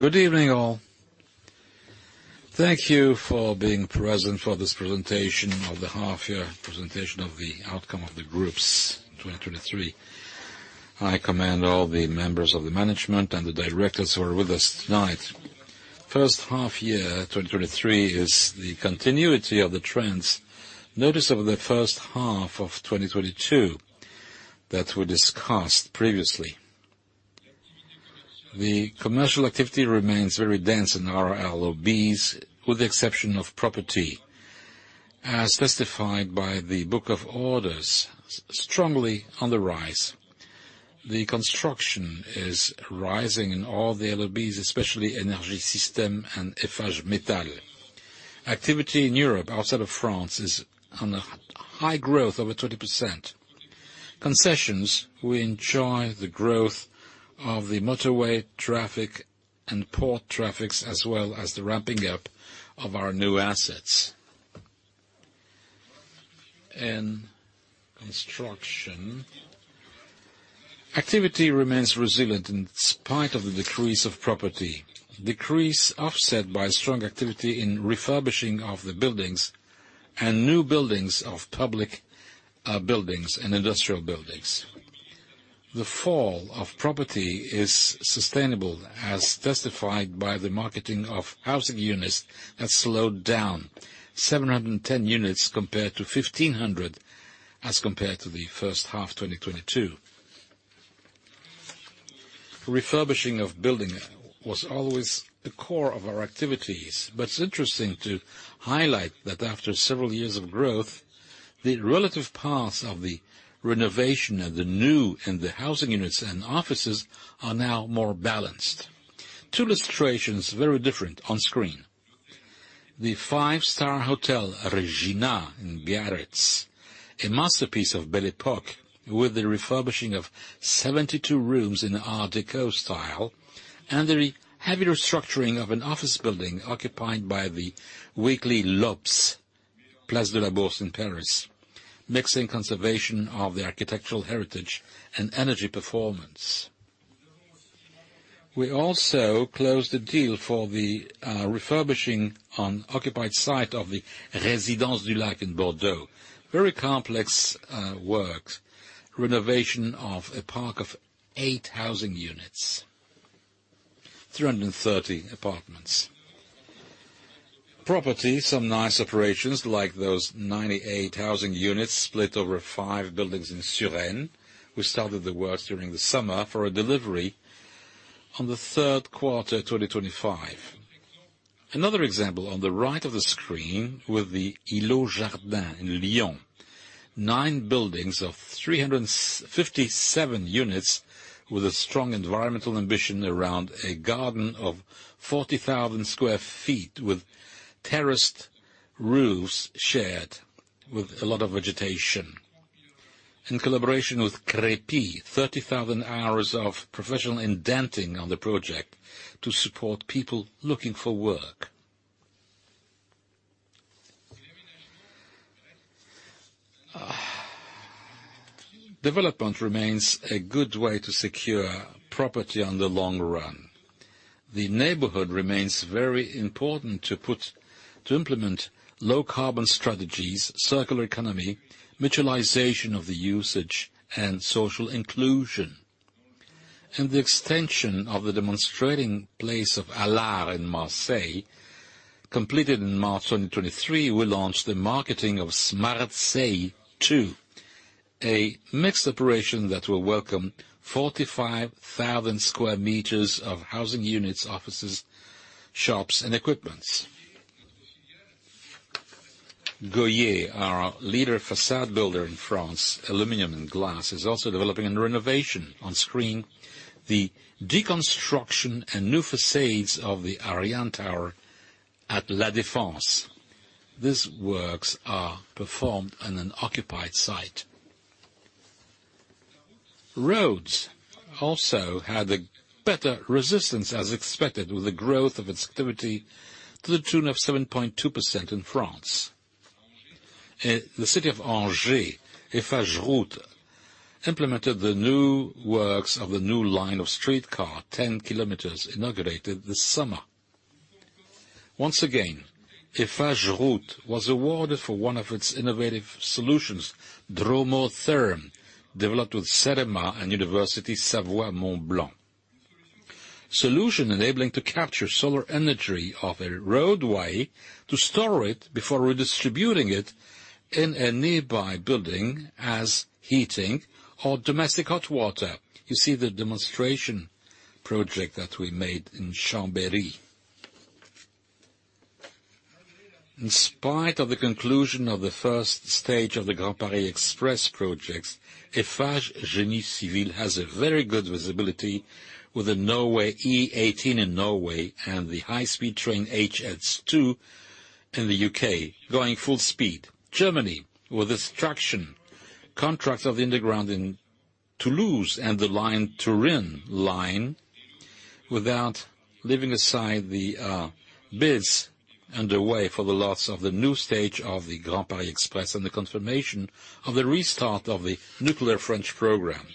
Good evening, all. Thank you for being present for this half-year presentation of the outcome of the Group's 2023. I commend all the members of the management and the directors who are with us tonight. First half year, 2023, is the continuity of the trends noticed over the first half of 2022 that were discussed previously. The commercial activity remains very dense in our LOBs, with the exception of property, as testified by the Book of Orders, strongly on the rise. The construction is rising in all the LOBs, especially Energy Systems and Eiffage Métal. Activity in Europe, outside of France, is on a high growth, over 20%. Concessions, we enjoy the growth of the motorway traffic and port traffic, as well as the ramping up of our new assets. In construction, activity remains resilient in spite of the decrease of property. Decrease offset by strong activity in refurbishing of the buildings and new buildings of public buildings and industrial buildings. The fall of property is sustainable, as testified by the marketing of housing units that slowed down 710 units compared to 1,500 as compared to the first half 2022. Refurbishing of building was always the core of our activities, but it's interesting to highlight that after several years of growth, the relative paths of the renovation and the new in the housing units and offices are now more balanced. Two illustrations, very different on screen. The five-star Hotel Regina in Biarritz, a masterpiece of Belle Époque, with the refurbishing of 72 rooms in Art Deco style and the heavy restructuring of an office building occupied by the weekly L'Obs, Place de la Bourse in Paris, mixing conservation of the architectural heritage and energy performance. We also closed the deal for the refurbishing on occupied site of the Résidence du Lac in Bordeaux. Very complex works. Renovation of a park of 8 housing units, 330 apartments. Property, some nice operations like those 98 housing units split over five buildings in Suresnes. We started the works during the summer for a delivery on the third quarter 2025. Another example on the right of the screen with the Îlot Jardin in Lyon. Nine buildings of 357 units with a strong environmental ambition around a garden of 40,000 sq ft, with terraced roofs shared, with a lot of vegetation. In collaboration with CREPI, 30,000 hours of professional integration on the project to support people looking for work. Development remains a good way to secure property in the long run. The neighborhood remains very important to implement low-carbon strategies, circular economy, mutualization of the usage, and social inclusion. In the extension of the demonstrating place of Allar in Marseille, completed in March 2023, we launched the marketing of Smartseille 2, a mixed operation that will welcome 45,000 square meters of housing units, offices, shops, and equipments. Goyer, our leader facade builder in France, aluminum and glass, is also developing a renovation on screen. The deconstruction and new facades of the Ariane Tower at La Défense. These works are performed on an occupied site. Roads also had a better resistance, as expected, with the growth of its activity to the tune of 7.2% in France. In the city of Angers, Eiffage Route implemented the new works of the new line of streetcar, 10 km, inaugurated this summer. Once again, Eiffage Route was awarded for one of its innovative solutions, DromoTherm, developed with Cerema and Université Savoie Mont Blanc. Solution enabling to capture solar energy of a roadway to store it before redistributing it in a nearby building as heating or domestic hot water. You see the demonstration project that we made in Chambéry. In spite of the conclusion of the first stage of the Grand Paris Express projects, Eiffage Génie Civil has a very good visibility with the Norway E18 in Norway and the high-speed train HS2 in the U.K., going full speed. Germany, with the structure contracts of the underground in Toulouse and the line—Turin line, without leaving aside the bids underway for the lots of the new stage of the Grand Paris Express and the confirmation of the restart of the nuclear French program.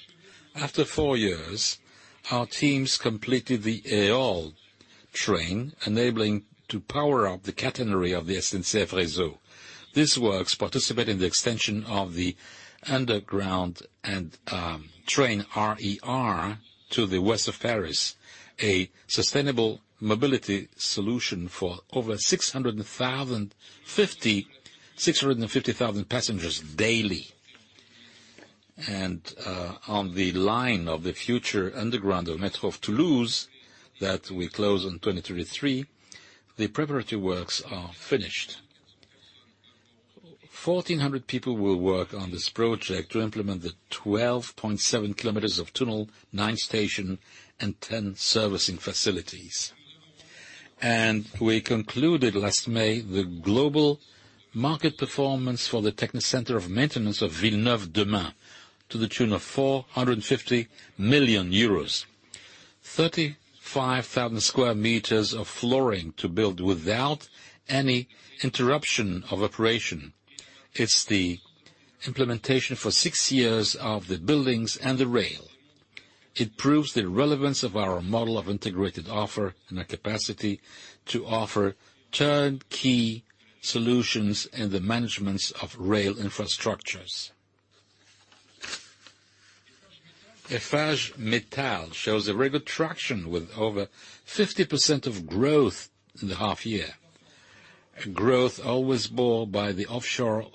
After four years, our teams completed the Eol. Train, enabling to power up the catenary of the SNCF Réseau. This works participate in the extension of the underground and train RER to the west of Paris, a sustainable mobility solution for over 650,000 passengers daily. On the line of the future underground Metro of Toulouse, that will close in 2033, the preparatory works are finished. 1,400 people will work on this project to implement the 12.7 kilometers of tunnel, nine station, and ten servicing facilities. We concluded last May the global market performance for the technical center of maintenance of Villeneuve-d'Ascq, to the tune of 450 million euros. 35,000 square meters of flooring to build without any interruption of operation. It's the implementation for six years of the buildings and the rail. It proves the relevance of our model of integrated offer, and the capacity to offer turnkey solutions in the managements of rail infrastructures. Eiffage Métal shows a regular traction with over 50% of growth in the half year. Growth always borne by the offshore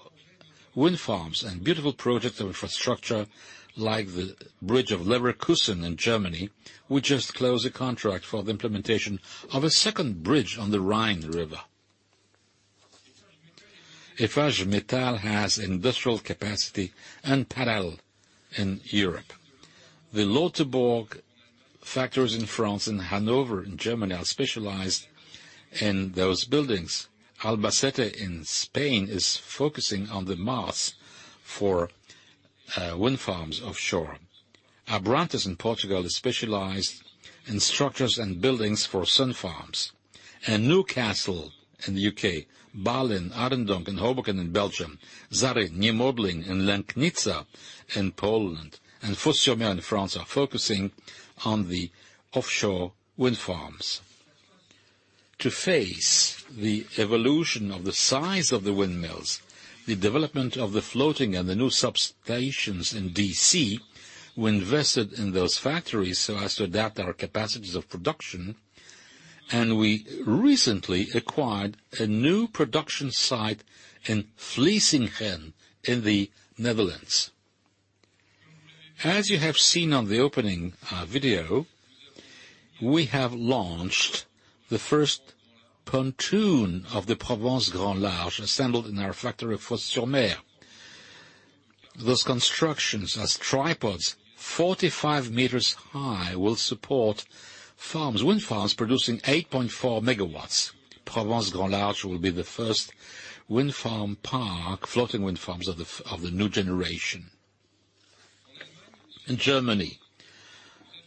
wind farms and beautiful projects of infrastructure, like the bridge of Leverkusen in Germany. We just closed a contract for the implementation of a second bridge on the Rhine River. Eiffage Métal has industrial capacity unparalleled in Europe. The Lauterbourg factories in France and Hanover in Germany are specialized in those buildings. Albacete in Spain is focusing on the masts for wind farms offshore. Abrantes in Portugal is specialized in structures and buildings for solar farms. Newcastle in the UK, Baarle, Arendonk, and Hoboken in Belgium, Zary, Niemodlin, and Legnica in Poland, and Fos-sur-Mer in France, are focusing on the offshore wind farms. To face the evolution of the size of the windmills, the development of the floating and the new substations in DC, we invested in those factories so as to adapt our capacities of production, and we recently acquired a new production site in Vlissingen, in the Netherlands. As you have seen on the opening video, we have launched the first pontoon of the Provence Grand Large, assembled in our factory of Fos-sur-Mer. Those constructions as tripods, 45 meters high, will support farms, wind farms, producing 8.4 megawatts. Provence Grand Large will be the first wind farm park, floating wind farms of the new generation. In Germany,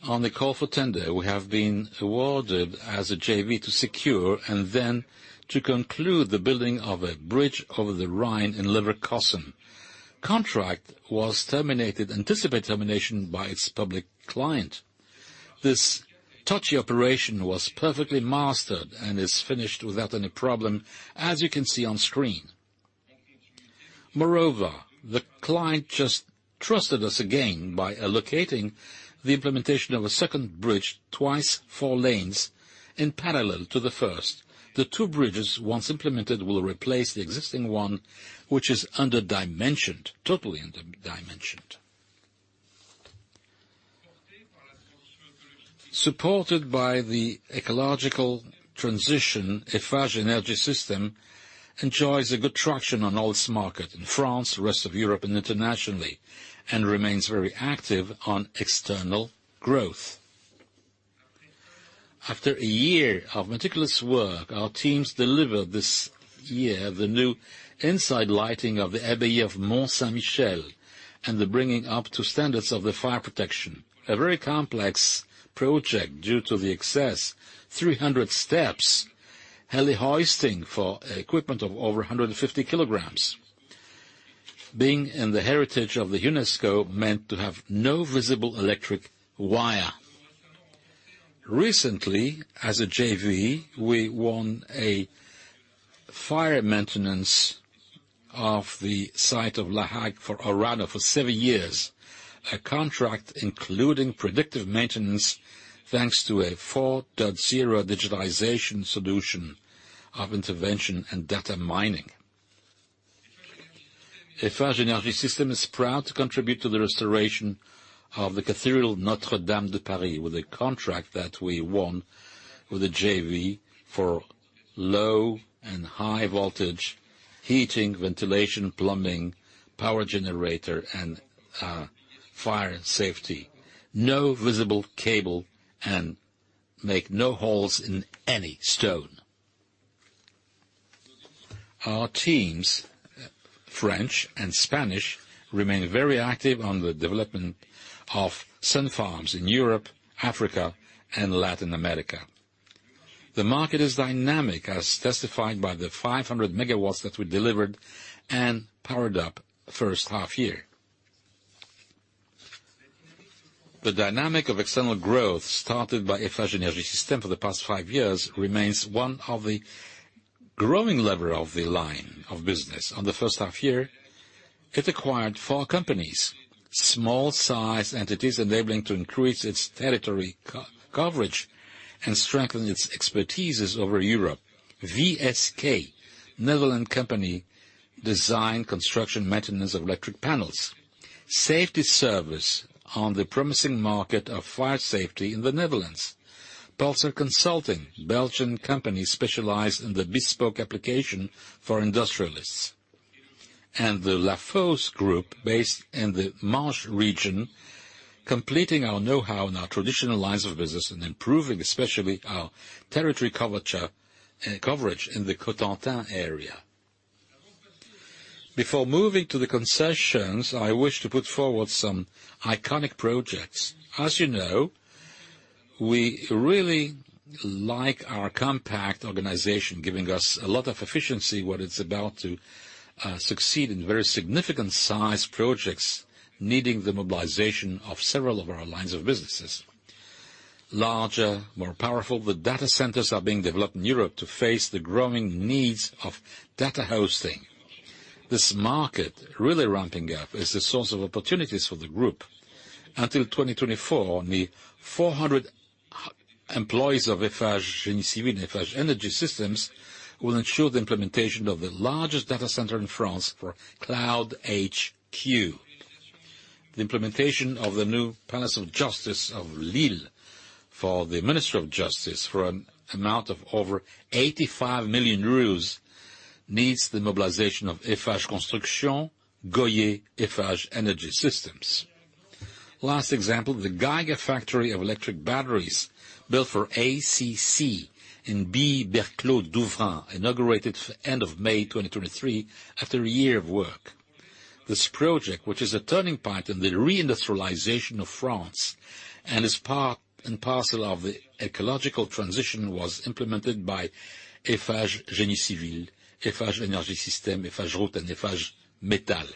on the call for tender, we have been awarded as a JV to secure, and then to conclude the building of a bridge over the Rhine in Leverkusen. Contract was terminated, anticipated termination by its public client. This touchy operation was perfectly mastered and is finished without any problem, as you can see on screen. Moreover, the client just trusted us again by allocating the implementation of a second bridge, twice 4 lanes, in parallel to the first. The two bridges, once implemented, will replace the existing one, which is under-dimensioned, totally under-dimensioned. Supported by the ecological transition, Eiffage Énergie Systèmes enjoys a good traction on all its market in France, the rest of Europe and internationally, and remains very active on external growth. After a year of meticulous work, our teams delivered this year the new inside lighting of the Abbey of Mont Saint-Michel, and the bringing up to standards of the fire protection. A very complex project due to the excess 300 steps, heli-hoisting for equipment of over 150 kilograms. Being in the heritage of the UNESCO, meant to have no visible electric wire. Recently, as a JV, we won a fire maintenance of the site of La Hague for Orano for seven years. A contract including predictive maintenance, thanks to a 4.0 digitalization solution of intervention and data mining. Eiffage Énergie Systèmes is proud to contribute to the restoration of the Cathedral Notre-Dame de Paris, with a contract that we won with the JV for low and high voltage, heating, ventilation, plumbing, power generator, and fire and safety. No visible cable and make no holes in any stone. Our teams, French and Spanish, remain very active on the development of solar farms in Europe, Africa, and Latin America. The market is dynamic, as testified by the 500 MW that we delivered and powered up first half-year. The dynamic of external growth started by Eiffage Énergie Systèmes for the past five years remains one of the growth levers of the line of business. In the first half-year, it acquired four companies, small-sized entities, enabling to increase its territory coverage and strengthen its expertise over Europe. VSK, Netherlands company, design, construction, maintenance of electric panels. Safety Service on the promising market of fire safety in the Netherlands. Pulsar Consulting, Belgian company specialized in the bespoke applications for industrialists. And the Lafosse Group, based in the Marche region, completing our know-how in our traditional lines of business and improving, especially our territory coverage in the Cotentin area. Before moving to the concessions, I wish to put forward some iconic projects. As you know, we really like our compact organization, giving us a lot of efficiency, what it's about to, succeed in very significant size projects, needing the mobilization of several of our lines of businesses. Larger, more powerful, the data centers are being developed in Europe to face the growing needs of data hosting. This market, really ramping up, is a source of opportunities for the group. Until 2024, the 400 employees of Eiffage Génie Civil, Eiffage Énergie Systèmes, will ensure the implementation of the largest data center in France for CloudHQ. The implementation of the new Palace of Justice of Lille for the Ministry of Justice, for an amount of over 85 million euros, needs the mobilization of Eiffage Construction, Goyer, Eiffage Énergie Systèmes. Last example, the gigafactory of electric batteries built for ACC in Billy-Berclau Douvrin, inaugurated end of May 2023, after a year of work. This project, which is a turning point in the reindustrialization of France, and is part and parcel of the ecological transition, was implemented by Eiffage Génie Civil, Eiffage Énergie Systèmes, Eiffage Route, and Eiffage Métal.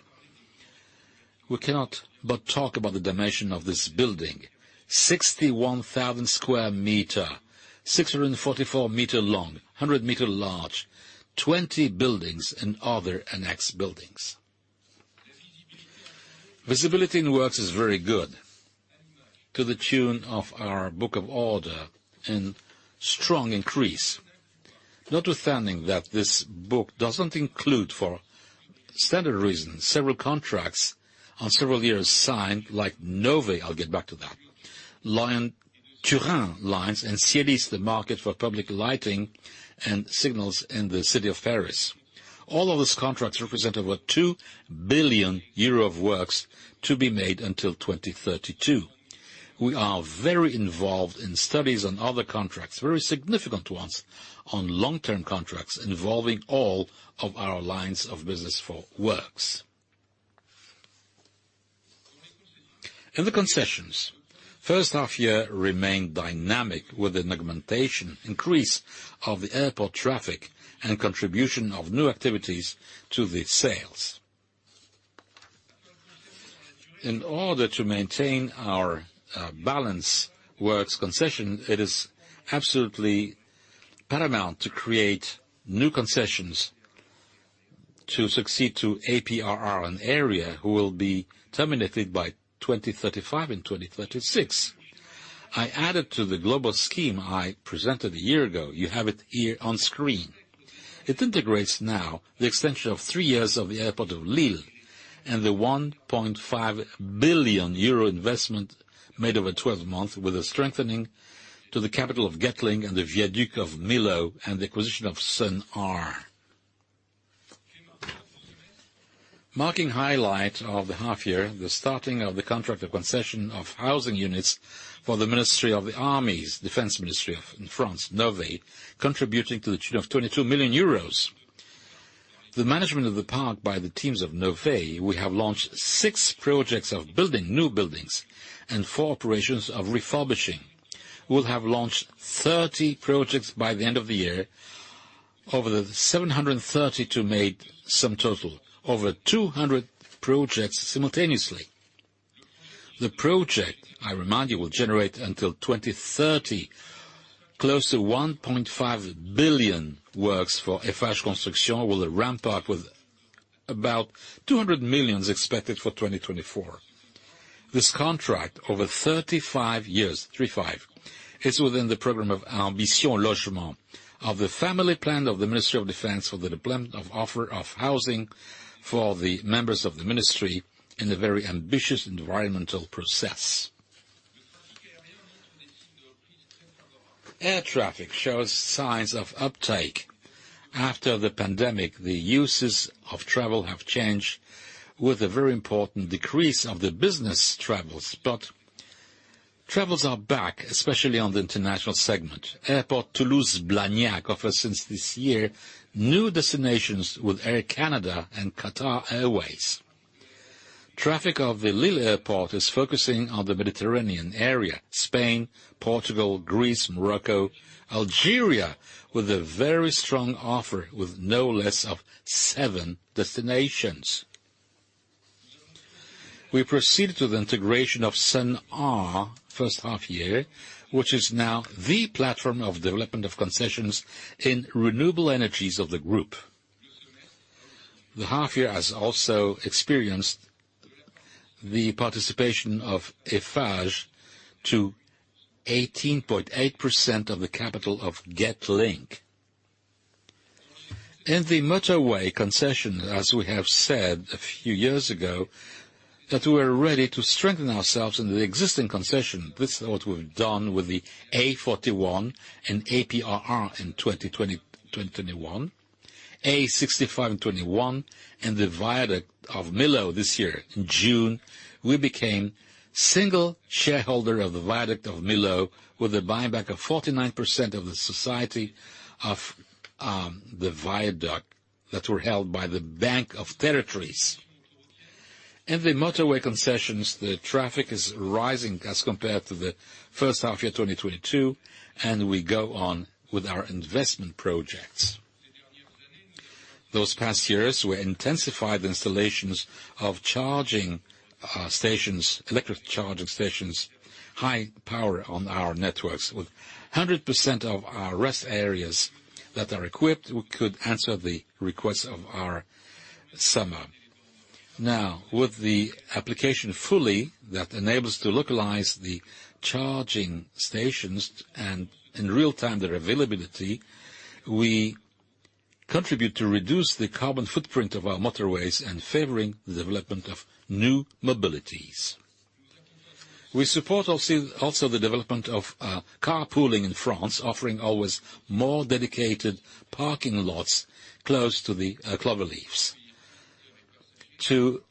We cannot but talk about the dimension of this building: 61,000 square meters, 644 meters long, 100 meters large, 20 buildings and other annex buildings. Visibility in the works is very good, to the tune of our Book of Orders and strong increase. Notwithstanding that, this book doesn't include, for standard reasons, several contracts on several years signed, like Nové, I'll get back to that. Lyon-Turin lines, and Cielis, the market for public lighting and signals in the city of Paris. All of these contracts represent over 2 billion euro of works to be made until 2032. We are very involved in studies on other contracts, very significant ones, on long-term contracts involving all of our lines of business for works. In the concessions, first half year remained dynamic with an augmentation, increase of the airport traffic and contribution of new activities to the sales. In order to maintain our balance works concession, it is absolutely paramount to create new concessions to succeed to APRR, AREA who will be terminated by 2035 and 2036. I added to the global scheme I presented a year ago, you have it here on screen. It integrates now the extension of three years of the airport of Lille, and the 1.5 billion euro investment made over 12 months, with a strengthening to the capital of Getlink and the Millau Viaduct, and the acquisition of Sun'R. Marking highlight of the half year, the starting of the contract of concession of housing units for the Ministry of the Armies, Defense Ministry in France, Nové, contributing to the tune of 22 million euros. The management of the park by the teams of Nové, we have launched six projects of building new buildings and four operations of refurbishing. We'll have launched 30 projects by the end of the year, over the 732 made, sum total, over 200 projects simultaneously. The project, I remind you, will generate until 2030, close to 1.5 billion works for Eiffage Construction, will ramp up with about 200 million expected for 2024. This contract, over 35 years, is within the program of Ambition Logement, of the family plan of the Ministry of Defense for the deployment of offer of housing for the members of the ministry in a very ambitious environmental process. Air traffic shows signs of uptake. After the pandemic, the uses of travel have changed with a very important decrease of the business travels. But travels are back, especially on the international segment. Toulouse-Blagnac Airport offers since this year, new destinations with Air Canada and Qatar Airways. Traffic of the Lille Airport is focusing on the Mediterranean area: Spain, Portugal, Greece, Morocco, Algeria, with a very strong offer, with no less of seven destinations. We proceeded to the integration of Sun'R first half year, which is now the platform of development of concessions in renewable energies of the group. The half year has also experienced the participation of Eiffage to 18.8% of the capital of Getlink. In the motorway concession, as we have said a few years ago, that we are ready to strengthen ourselves in the existing concession. This is what we've done with the A41 and APRR in 2020, 2021, A65 in 2021, and the viaduct of Millau this year. In June, we became single shareholder of the viaduct of Millau, with a buyback of 49% of the société of the viaduct that were held by the Banque des Territoires. In the motorway concessions, the traffic is rising as compared to the first half year, 2022, and we go on with our investment projects. Those past years, we intensified installations of charging stations, electric charging stations, high power on our networks. With 100% of our rest areas that are equipped, we could answer the requests of our users. Now, with the application fulli that enables to localize the charging stations and in real time their availability, we contribute to reduce the carbon footprint of our motorways and favoring the development of new mobilities. We support also the development of carpooling in France, offering always more dedicated parking lots close to the cloverleafs. To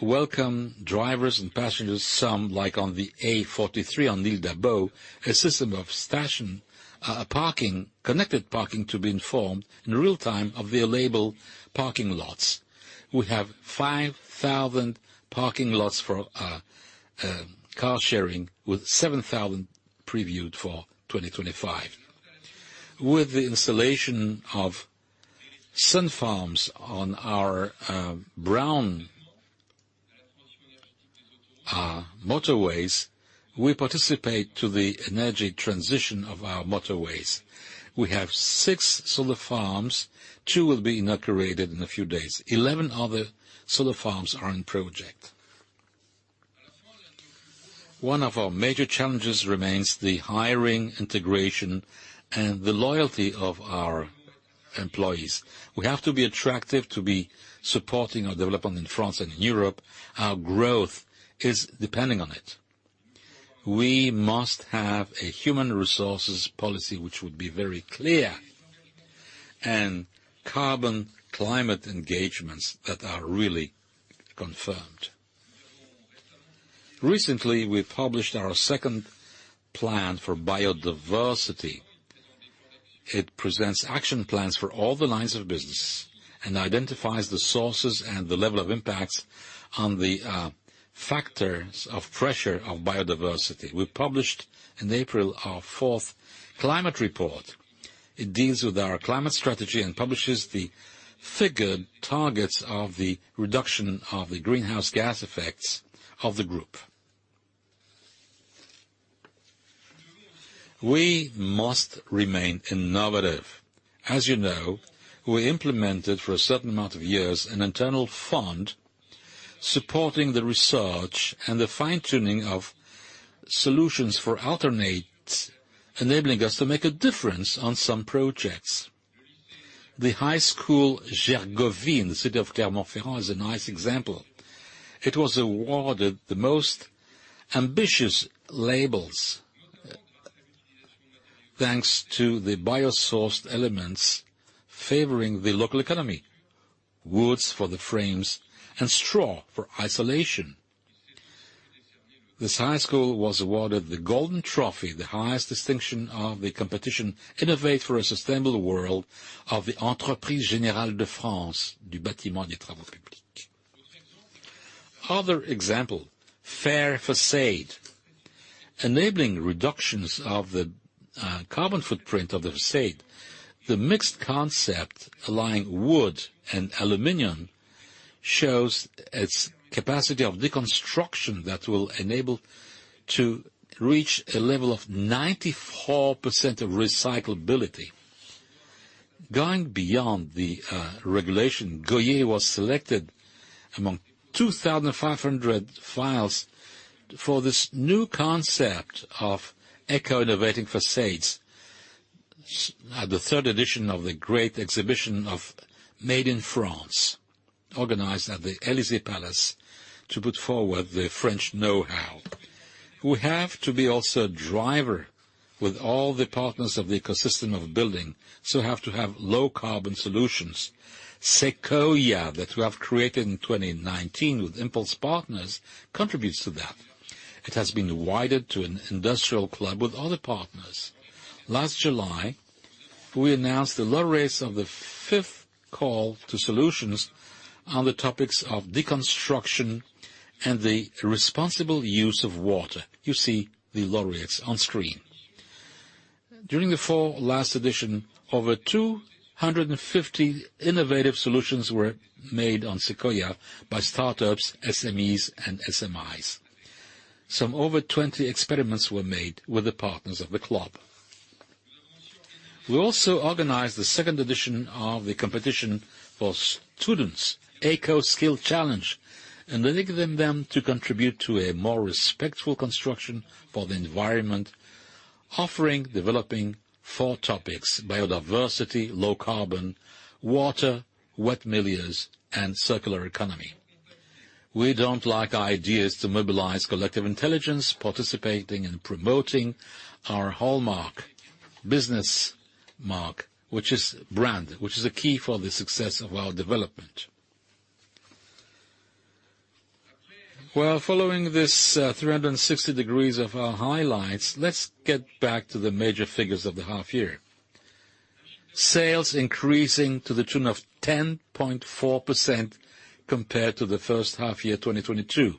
welcome drivers and passengers, some, like on the A43 on Lille Métropole, a system of station parking, connected parking, to be informed in real time of the available parking lots. We have 5,000 parking lots for car sharing, with 7,000 planned for 2025. With the installation of solar farms on our brownfield motorways, we participate to the energy transition of our motorways. We have six solar farms. Two will be inaugurated in a few days. Eleven other solar farms are in project. One of our major challenges remains the hiring, integration, and the loyalty of our employees. We have to be attractive to be supporting our development in France and in Europe. Our growth is depending on it. We must have a human resources policy which would be very clear, and carbon climate engagements that are really confirmed. Recently, we published our second plan for biodiversity. It presents action plans for all the lines of business and identifies the sources and the level of impacts on the factors of pressure of biodiversity. We published in April, our fourth climate report. It deals with our climate strategy and publishes the figured targets of the reduction of the greenhouse gas effects of the group. We must remain innovative. As you know, we implemented for a certain amount of years, an internal fund supporting the research and the fine-tuning of solutions for alternates, enabling us to make a difference on some projects. The high school Gergovie, in the city of Clermont-Ferrand, is a nice example. It was awarded the most ambitious labels, thanks to the biosourced elements favoring the local economy: woods for the frames and straw for isolation. This high school was awarded the Golden Trophy, the highest distinction of the competition, Innovate for a Sustainable World, of the Entreprises Générales de France, du Bâtiment et Travaux Publics. Other example, Fair Facade. Enabling reductions of the carbon footprint of the facade, the mixed concept, aligning wood and aluminum, shows its capacity of deconstruction that will enable to reach a level of 94% recyclability. Going beyond the regulation, Goyer was selected among 2,500 files for this new concept of eco-innovating facades at the third edition of the great exhibition of Made in France, organized at the Élysée Palace, to put forward the French know-how. We have to be also a driver with all the partners of the ecosystem of building, so have to have low carbon solutions. Sequoia, that we have created in 2019 with Impulse Partners, contributes to that. It has been widened to an industrial club with other partners. Last July, we announced the laureates of the fifth call to solutions on the topics of deconstruction and the responsible use of water. You see the laureates on screen. During the fall last edition, over 250 innovative solutions were made on Sequoia by startups, SMEs, and SMIs. Some over 20 experiments were made with the partners of the club. We also organized the second edition of the competition for students, Eco Skill Challenge, enabling them to contribute to a more respectful construction for the environment, offering, developing four topics: biodiversity, low carbon, water, wet milieus, and circular economy. We don't like ideas to mobilize collective intelligence, participating and promoting our hallmark, business mark, which is brand, which is a key for the success of our development. Well, following this, 360 degrees of our highlights, let's get back to the major figures of the half year. Sales increasing to the tune of 10.4% compared to the first half of 2022,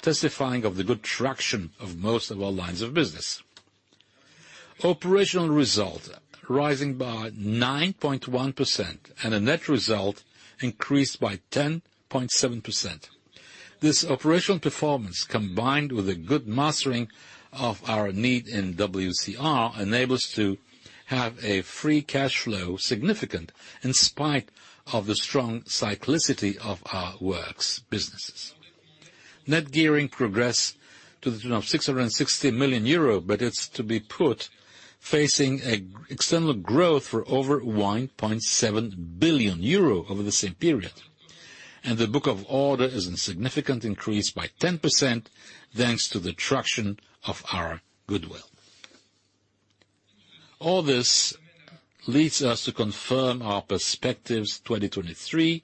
testifying of the good traction of most of our lines of business. Operational result, rising by 9.1%, and a net result increased by 10.7%. This operational performance, combined with a good mastering of our need in WCR, enables to have a free cash flow significant in spite of the strong cyclicity of our works businesses. Net gearing progress to the tune of 660 million euro, but it's to be put, facing a external growth for over 1.7 billion euro over the same period. And the book of order is in significant increase by 10%, thanks to the traction of our goodwill. All this leads us to confirm our perspectives 2023,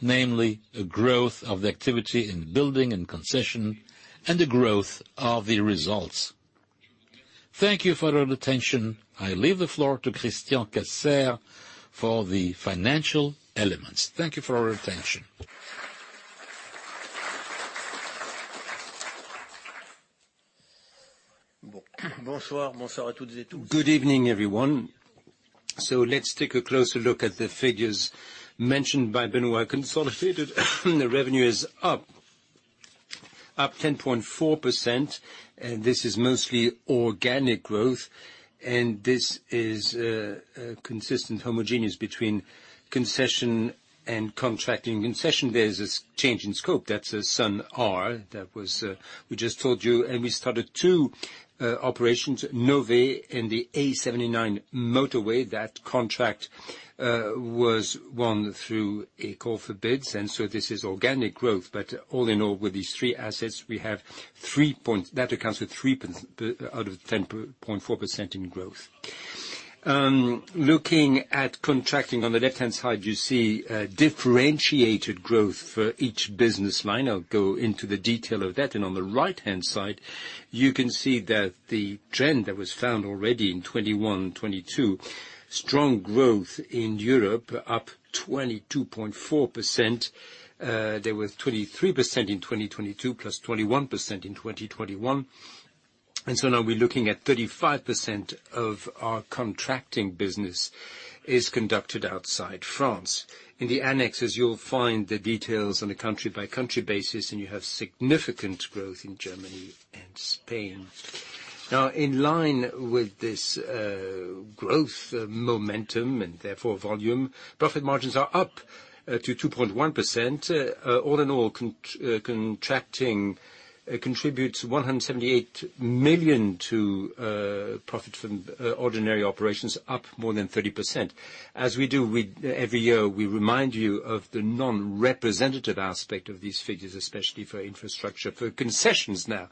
namely, a growth of the activity in building and concession, and the growth of the results. Thank you for your attention. I leave the floor to Christian Cassayre for the financial elements. Thank you for your attention. Good evening, everyone. So let's take a closer look at the figures mentioned by Benoît. Consolidated, the revenue is up ten point four percent, and this is mostly organic growth, and this is consistent, homogeneous between concession and contracting. Concession, there's a scope change. That's Sun'R. That was, we just told you, and we started two operations, Nové and the A79 motorway. That contract was won through a call for bids, and so this is organic growth. But all in all, with these three assets, we have three point. That accounts for three% out of ten point four percent in growth. Looking at contracting, on the left-hand side, you see differentiated growth for each business line. I'll go into the detail of that. On the right-hand side, you can see that the trend that was found already in 2021, 2022, strong growth in Europe, up 22.4%. They were 23% in 2022, plus 21% in 2021. And so now we're looking at 35% of our contracting business is conducted outside France. In the annexes, you'll find the details on a country-by-country basis, and you have significant growth in Germany and Spain. Now, in line with this, growth momentum and therefore volume, profit margins are up to 2.1%. All in all, contracting contributes 178 million to profit from ordinary operations, up more than 30%. As we do with every year, we remind you of the non-representative aspect of these figures, especially for infrastructure. For concessions now.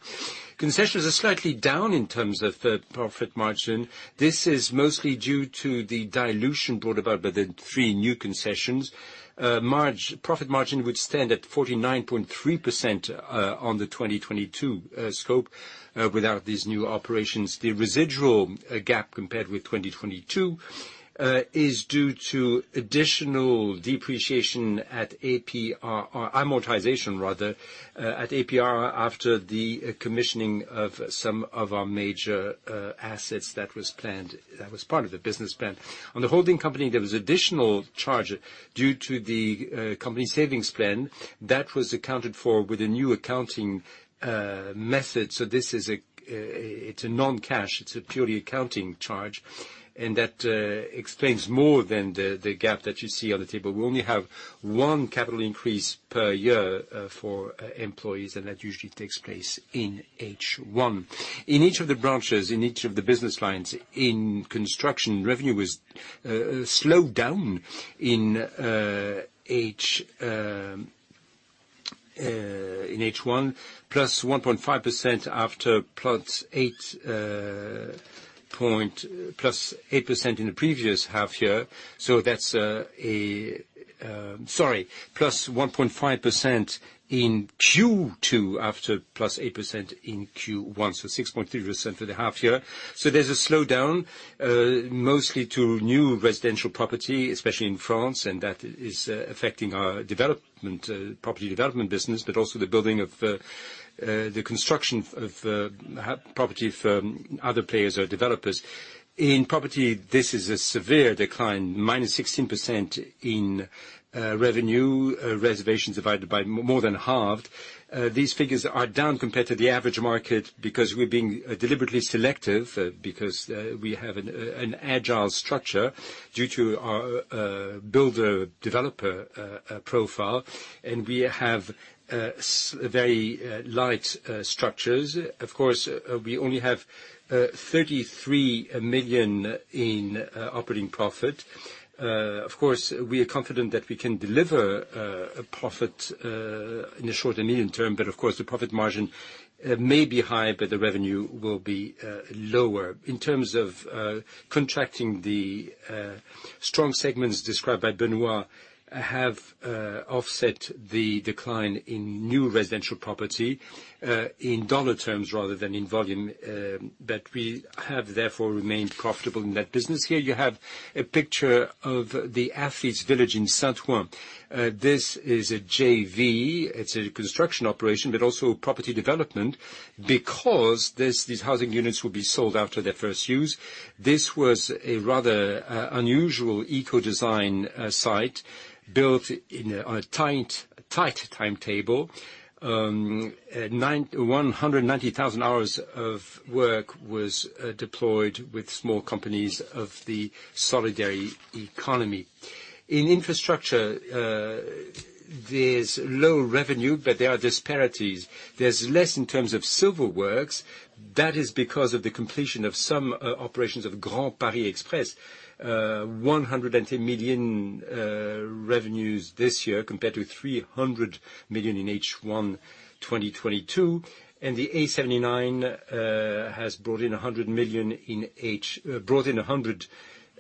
Concessions are slightly down in terms of the profit margin. This is mostly due to the dilution brought about by the three new concessions. Margin, profit margin would stand at 49.3%, on the 2022 scope, without these new operations. The residual gap compared with 2022 is due to additional depreciation at APRR, or amortization rather, at APRR after the commissioning of some of our major assets that was planned, that was part of the business plan. On the holding company, there was additional charge due to the company savings plan. That was accounted for with a new accounting method. So this is a, it's a non-cash, it's a purely accounting charge, and that explains more than the gap that you see on the table. We only have one capital increase per year for employees, and that usually takes place in H1. In each of the branches, in each of the business lines, in construction, revenue was slowed down in H1, +1.5% after +8% in the previous half year. So that's sorry, +1.5% in Q2 after +8% in Q1, so 6.3% for the half year. So there's a slowdown mostly to new residential property, especially in France, and that is affecting our development property development business, but also the building of the construction of property for other players or developers. In property, this is a severe decline, -16% in revenue. Reservations divided by more than halved. These figures are down compared to the average market, because we're being deliberately selective, because we have an agile structure due to our builder-developer profile, and we have very light structures. Of course, we only have 33 million in operating profit. Of course, we are confident that we can deliver a profit in the short and medium term, but of course, the profit margin may be high, but the revenue will be lower. In terms of contracting the strong segments described by Benoît have offset the decline in new residential property in dollar terms rather than in volume, but we have therefore remained profitable in that business. Here you have a picture of the Athletes Village in Saint-Ouen. This is a JV. It's a construction operation, but also property development, because these, these housing units will be sold after their first use. This was a rather, unusual eco-design, site, built in, a tight, tight timetable. 990,000 hours of work was deployed with small companies of the solidarity economy. In infrastructure, there's low revenue, but there are disparities. There's less in terms of civil works. That is because of the completion of some operations of Grand Paris Express. 110 million revenues this year, compared to 300 million in H1 2022, and the A79 has brought in 100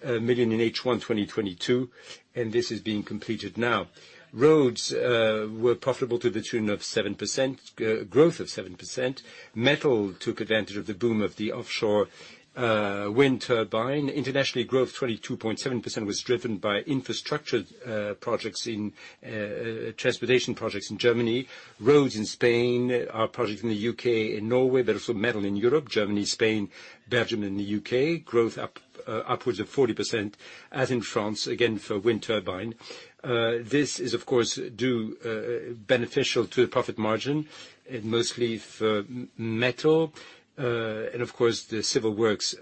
million in H1 2022, and this is being completed now. Roads were profitable to the tune of 7% growth of 7%. Metal took advantage of the boom of the offshore wind turbine. Internationally, growth 22.7% was driven by infrastructure projects in transportation projects in Germany. Roads in Spain, our project in the U.K. and Norway, but also metal in Europe, Germany, Spain, Belgium, and the U.K. Growth upwards of 40%, as in France, again, for wind turbine. This is, of course, due beneficial to the profit margin, and mostly for metal. And of course, the civil works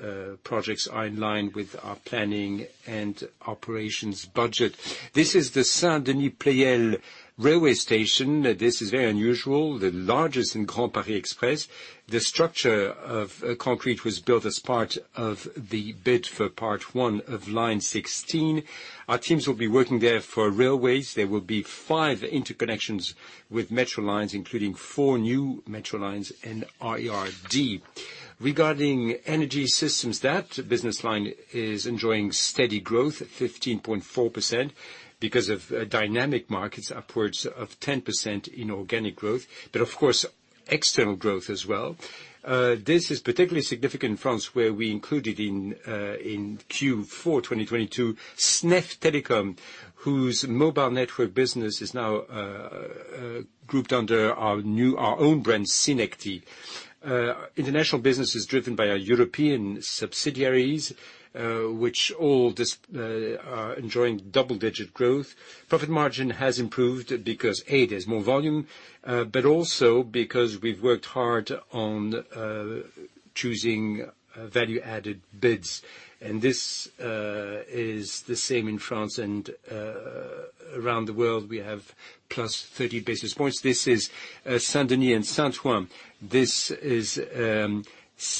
projects are in line with our planning and operations budget. This is the Saint-Denis Pleyel railway station. This is very unusual, the largest in Grand Paris Express. The structure of concrete was built as part of the bid for part one of line 16. Our teams will be working there for railways. There will be five interconnections with metro lines, including four new metro lines and RER D. Regarding energy systems, that business line is enjoying steady growth at 15.4% because of dynamic markets, upwards of 10% in organic growth, but of course, external growth as well. This is particularly significant in France, where we included in in Q4 2022, SNEF Telecom, whose mobile network business is now grouped under our new, our own brand, Sinecty. International business is driven by our European subsidiaries, which all are enjoying double-digit growth. Profit margin has improved because, A, there's more volume, but also because we've worked hard on choosing value-added bids. This is the same in France and around the world. We have plus 30 basis points. This is Saint-Denis and Saint-Ouen. This is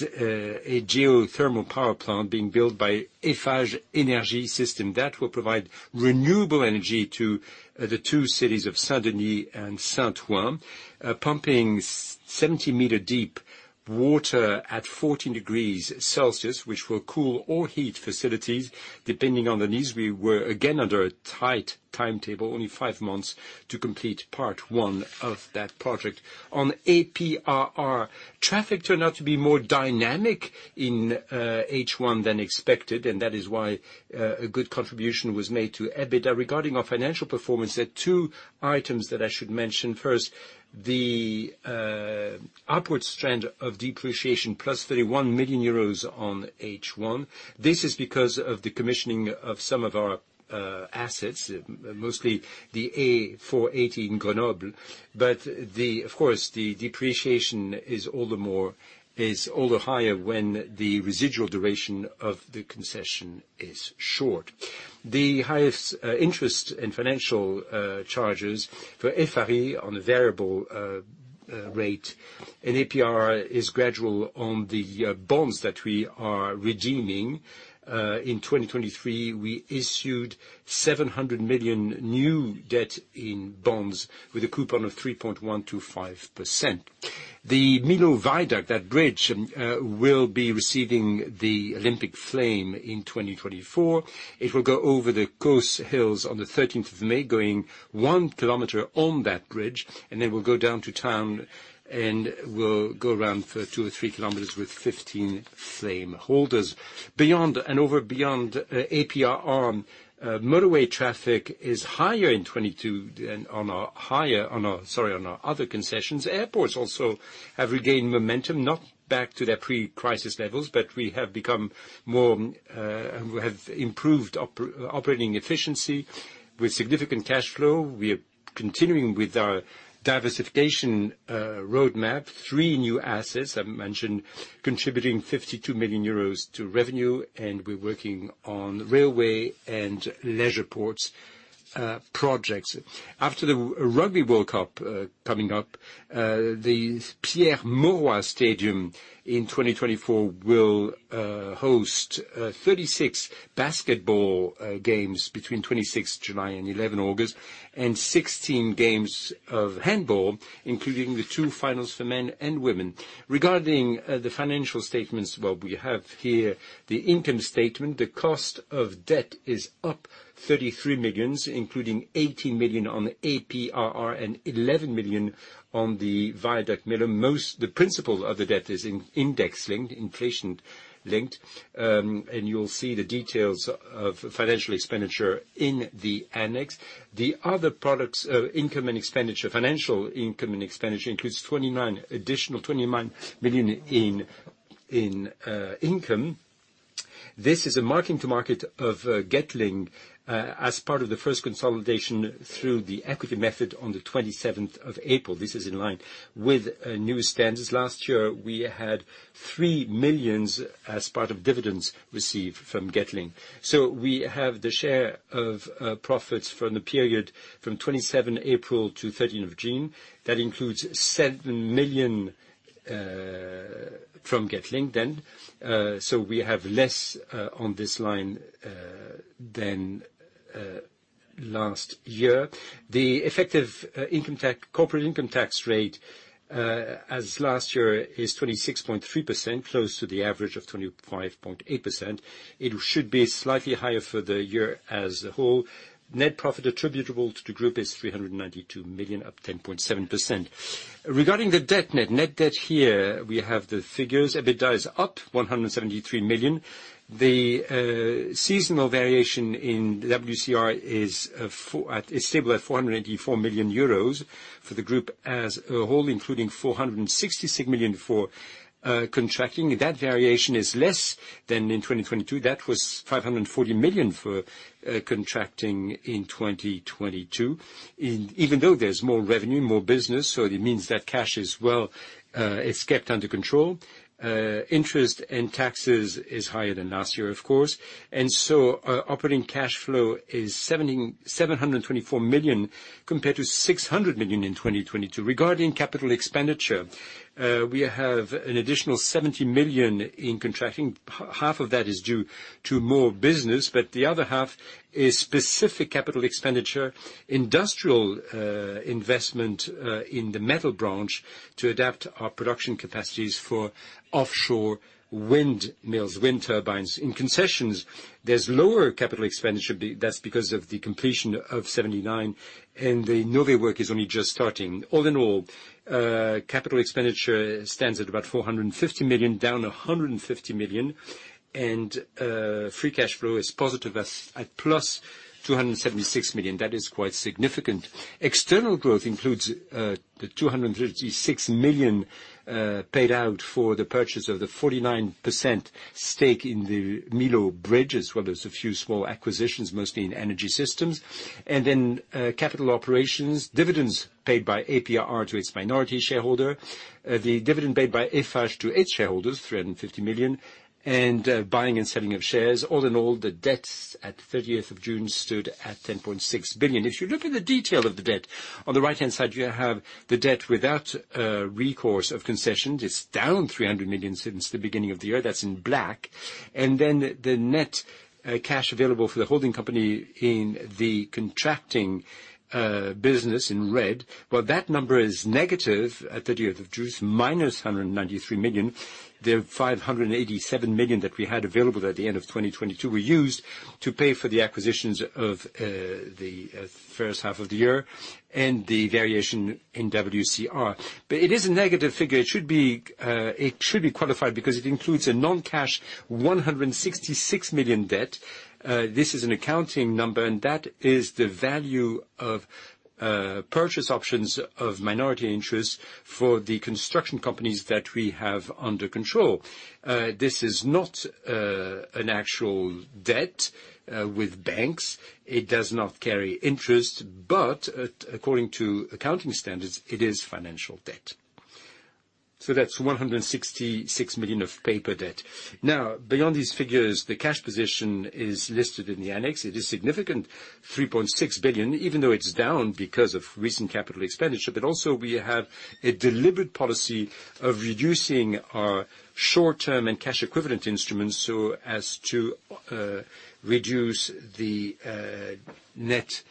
a geothermal power plant being built by Eiffage Énergie Systèmes. That will provide renewable energy to the two cities of Saint-Denis and Saint-Ouen, pumping 70-meter-deep water at 14 degrees Celsius, which will cool or heat facilities, depending on the needs. We were again under a tight timetable, only five months, to complete part 1 of that project. On APRR, traffic turned out to be more dynamic in H1 than expected, and that is why a good contribution was made to EBITDA. Regarding our financial performance, there are two items that I should mention. First, the upward trend of depreciation, plus 31 million euros on H1. This is because of the commissioning of some of our assets, mostly the A418 Grenoble. But of course, the depreciation is all the more higher when the residual duration of the concession is short. The highest interest and financial charges for Eiffarie on a variable basis rate and APRR is gradual on the bonds that we are redeeming. In 2023, we issued 700 million new debt in bonds with a coupon of 3.125%. The Millau Viaduct, that bridge, will be receiving the Olympic Flame in 2024. It will go over the Causse hills on the thirteenth of May, going one kilometer on that bridge, and then will go down to town, and will go around for two or three kilometers with 15 flame holders. Beyond and above APRR, motorway traffic is higher in 2022 than on our other concessions. Airports also have regained momentum, not back to their pre-crisis levels, but we have become more, we have improved operating efficiency with significant cash flow. We are continuing with our diversification roadmap. Three new assets, I mentioned, contributing 52 million euros to revenue, and we're working on railway and leisure ports projects. After the rugby World Cup coming up, the Pierre Mauroy Stadium in 2024 will host 36 basketball games between 26th July and 11th August, and 16 games of handball, including the two finals for men and women. Regarding the financial statements, well, we have here the income statement. The cost of debt is up 33 million, including 18 million on APRR and 11 million on the Millau Viaduct. Most, the principal of the debt is in index-linked, inflation-linked, and you'll see the details of financial expenditure in the annex. The other products of income and expenditure, financial income and expenditure, includes additional 29 million in income. This is a mark-to-market of Getlink as part of the first consolidation through the equity method on the twenty-seventh of April. This is in line with new standards. Last year, we had 3 million as part of dividends received from Getlink. So we have the share of profits from the period from twenty-seven April to thirteenth of June. That includes 7 million from Getlink then, so we have less on this line than last year. The effective income tax, corporate income tax rate, as last year, is 26.3%, close to the average of 25.8%. It should be slightly higher for the year as a whole. Net profit attributable to the group is 392 million, up 10.7%. Regarding the debt net, net debt here, we have the figures. EBITDA is up 173 million. The seasonal variation in WCR is stable at 484 million euros for the group as a whole, including 466 million for contracting. That variation is less than in 2022. That was 540 million for contracting in 2022. Even though there's more revenue, more business, so it means that cash is well, it's kept under control. Interest and taxes is higher than last year, of course, and so our operating cash flow is 7,724 million, compared to 600 million in 2022. Regarding capital expenditure, we have an additional 70 million in contracting. Half of that is due to more business, but the other half is specific capital expenditure, industrial investment in the metal branch, to adapt our production capacities for offshore wind mills, wind turbines. In concessions, there's lower capital expenditure, that's because of the completion of 79, and the Nové work is only just starting. All in all, capital expenditure stands at about 450 million, down 150 million, and free cash flow is positive at +276 million. That is quite significant. External growth includes, the 236 million paid out for the purchase of the 49% stake in the Millau bridge, as well as a few small acquisitions, mostly in energy systems. And then, capital operations, dividends paid by APRR to its minority shareholder, the dividend paid by Eiffage to its shareholders, 350 million, and, buying and selling of shares. All in all, the debt at 30th of June stood at 10.6 billion. If you look in the detail of the debt, on the right-hand side, you have the debt without recourse of concessions. It's down 300 million since the beginning of the year. That's in black. The net cash available for the holding company in the contracting business in red. Well, that number is negative at 30th of June, -193 million. The 587 million that we had available at the end of 2022 were used to pay for the acquisitions of the first half of the year and the variation in WCR. But it is a negative figure. It should be qualified, because it includes a non-cash 166 million debt. This is an accounting number, and that is the value of purchase options of minority interest for the construction companies that we have under control. This is not an actual debt with banks. It does not carry interest, but according to accounting standards, it is financial debt. So that's 166 million of paper debt. Now, beyond these figures, the cash position is listed in the annex. It is significant, 3.6 billion, even though it's down because of recent capital expenditure. But also, we have a deliberate policy of reducing our short-term and cash equivalent instruments so as to reduce the net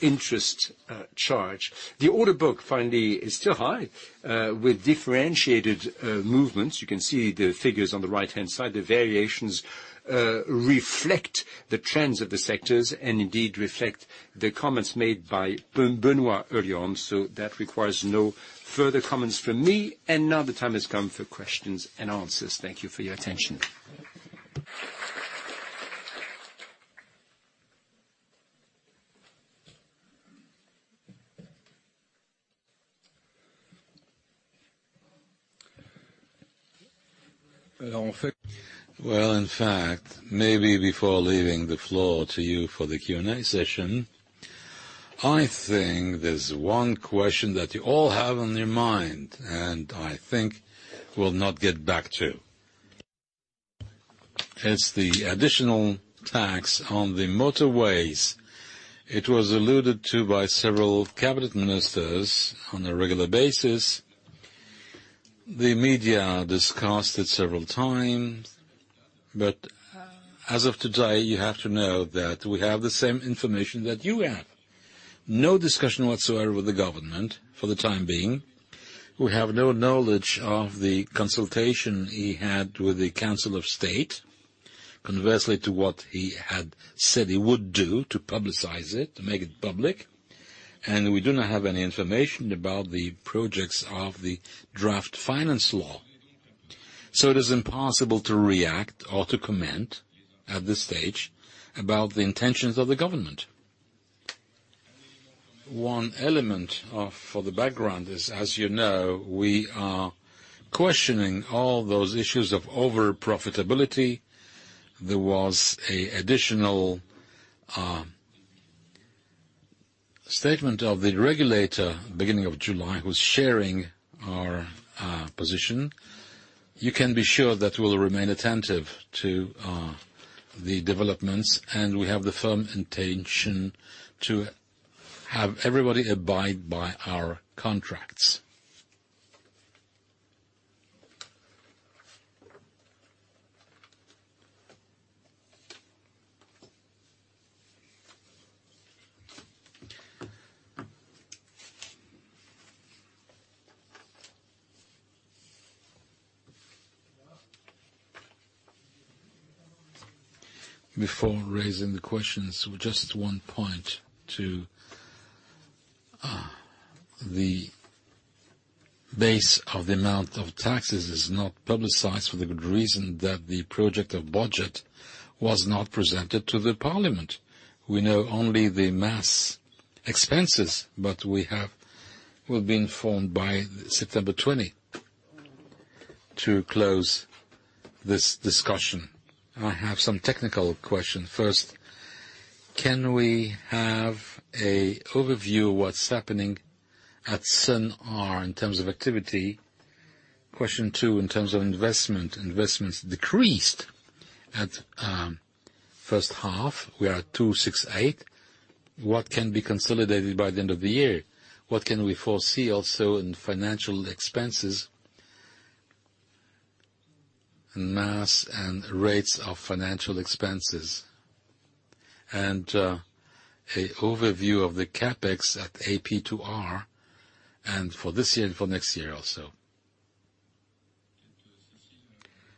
interest charge. The order book, finally, is still high with differentiated movements. You can see the figures on the right-hand side. The variations reflect the trends of the sectors and indeed reflect the comments made by Benoît earlier on. So that requires no further comments from me. And now the time has come for questions and answers. Thank you for your attention. Well, in fact, maybe before leaving the floor to you for the Q&A session, I think there's one question that you all have on your mind, and I think we'll not get back to. It's the additional tax on the motorways. It was alluded to by several cabinet ministers on a regular basis. The media discussed it several times, but as of today, you have to know that we have the same information that you have. No discussion whatsoever with the government for the time being. We have no knowledge of the consultation he had with the Council of State, conversely to what he had said he would do to publicize it, to make it public. We do not have any information about the projects of the draft finance law. So it is impossible to react or to comment at this stage about the intentions of the government. One element, for the background is, as you know, we are questioning all those issues of overprofitability. There was a additional statement of the regulator, beginning of July, who's sharing our position. You can be sure that we'll remain attentive to the developments, and we have the firm intention to have everybody abide by our contracts. Before raising the questions, just one point to the base of the amount of taxes is not publicized for the good reason that the project of budget was not presented to the parliament. We know only the mass expenses, but we have. We've been informed by September 20 to close this discussion. I have some technical questions. First, can we have a overview of what's happening at Sun'R in terms of activity? Question two, in terms of investment, investments decreased at first half. We are at 268. What can be consolidated by the end of the year? What can we foresee also in financial expenses, mass and rates of financial expenses? And an overview of the CapEx at APRR, and for this year and for next year also.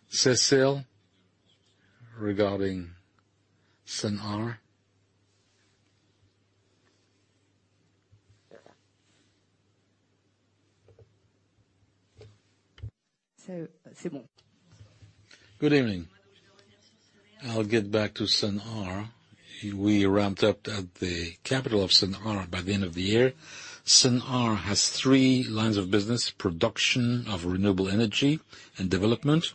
Cecile, regarding Sun'R. So, Simon. Good evening. I'll get back to Sun'R. We ramped up at the capital of Sun'R by the end of the year. Sun'R has three lines of business: production of renewable energy and development,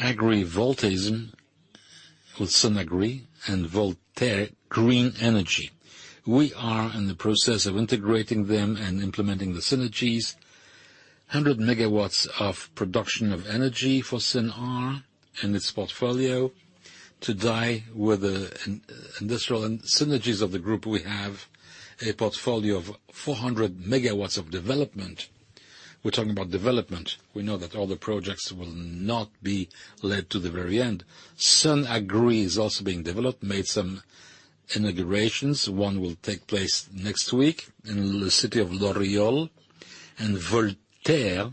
agrivoltaism with Sun'Agri, and Voltaire Green energy. We are in the process of integrating them and implementing the synergies. 100 megawatts of production of energy for Sun'R in its portfolio. Today, with the industrial and synergies of the group, we have a portfolio of 400 megawatts of development. We're talking about development. We know that all the projects will not be led to the very end. Sun'Agri is also being developed, made some inaugurations. One will take place next week in the city of Loriol, and Voltaire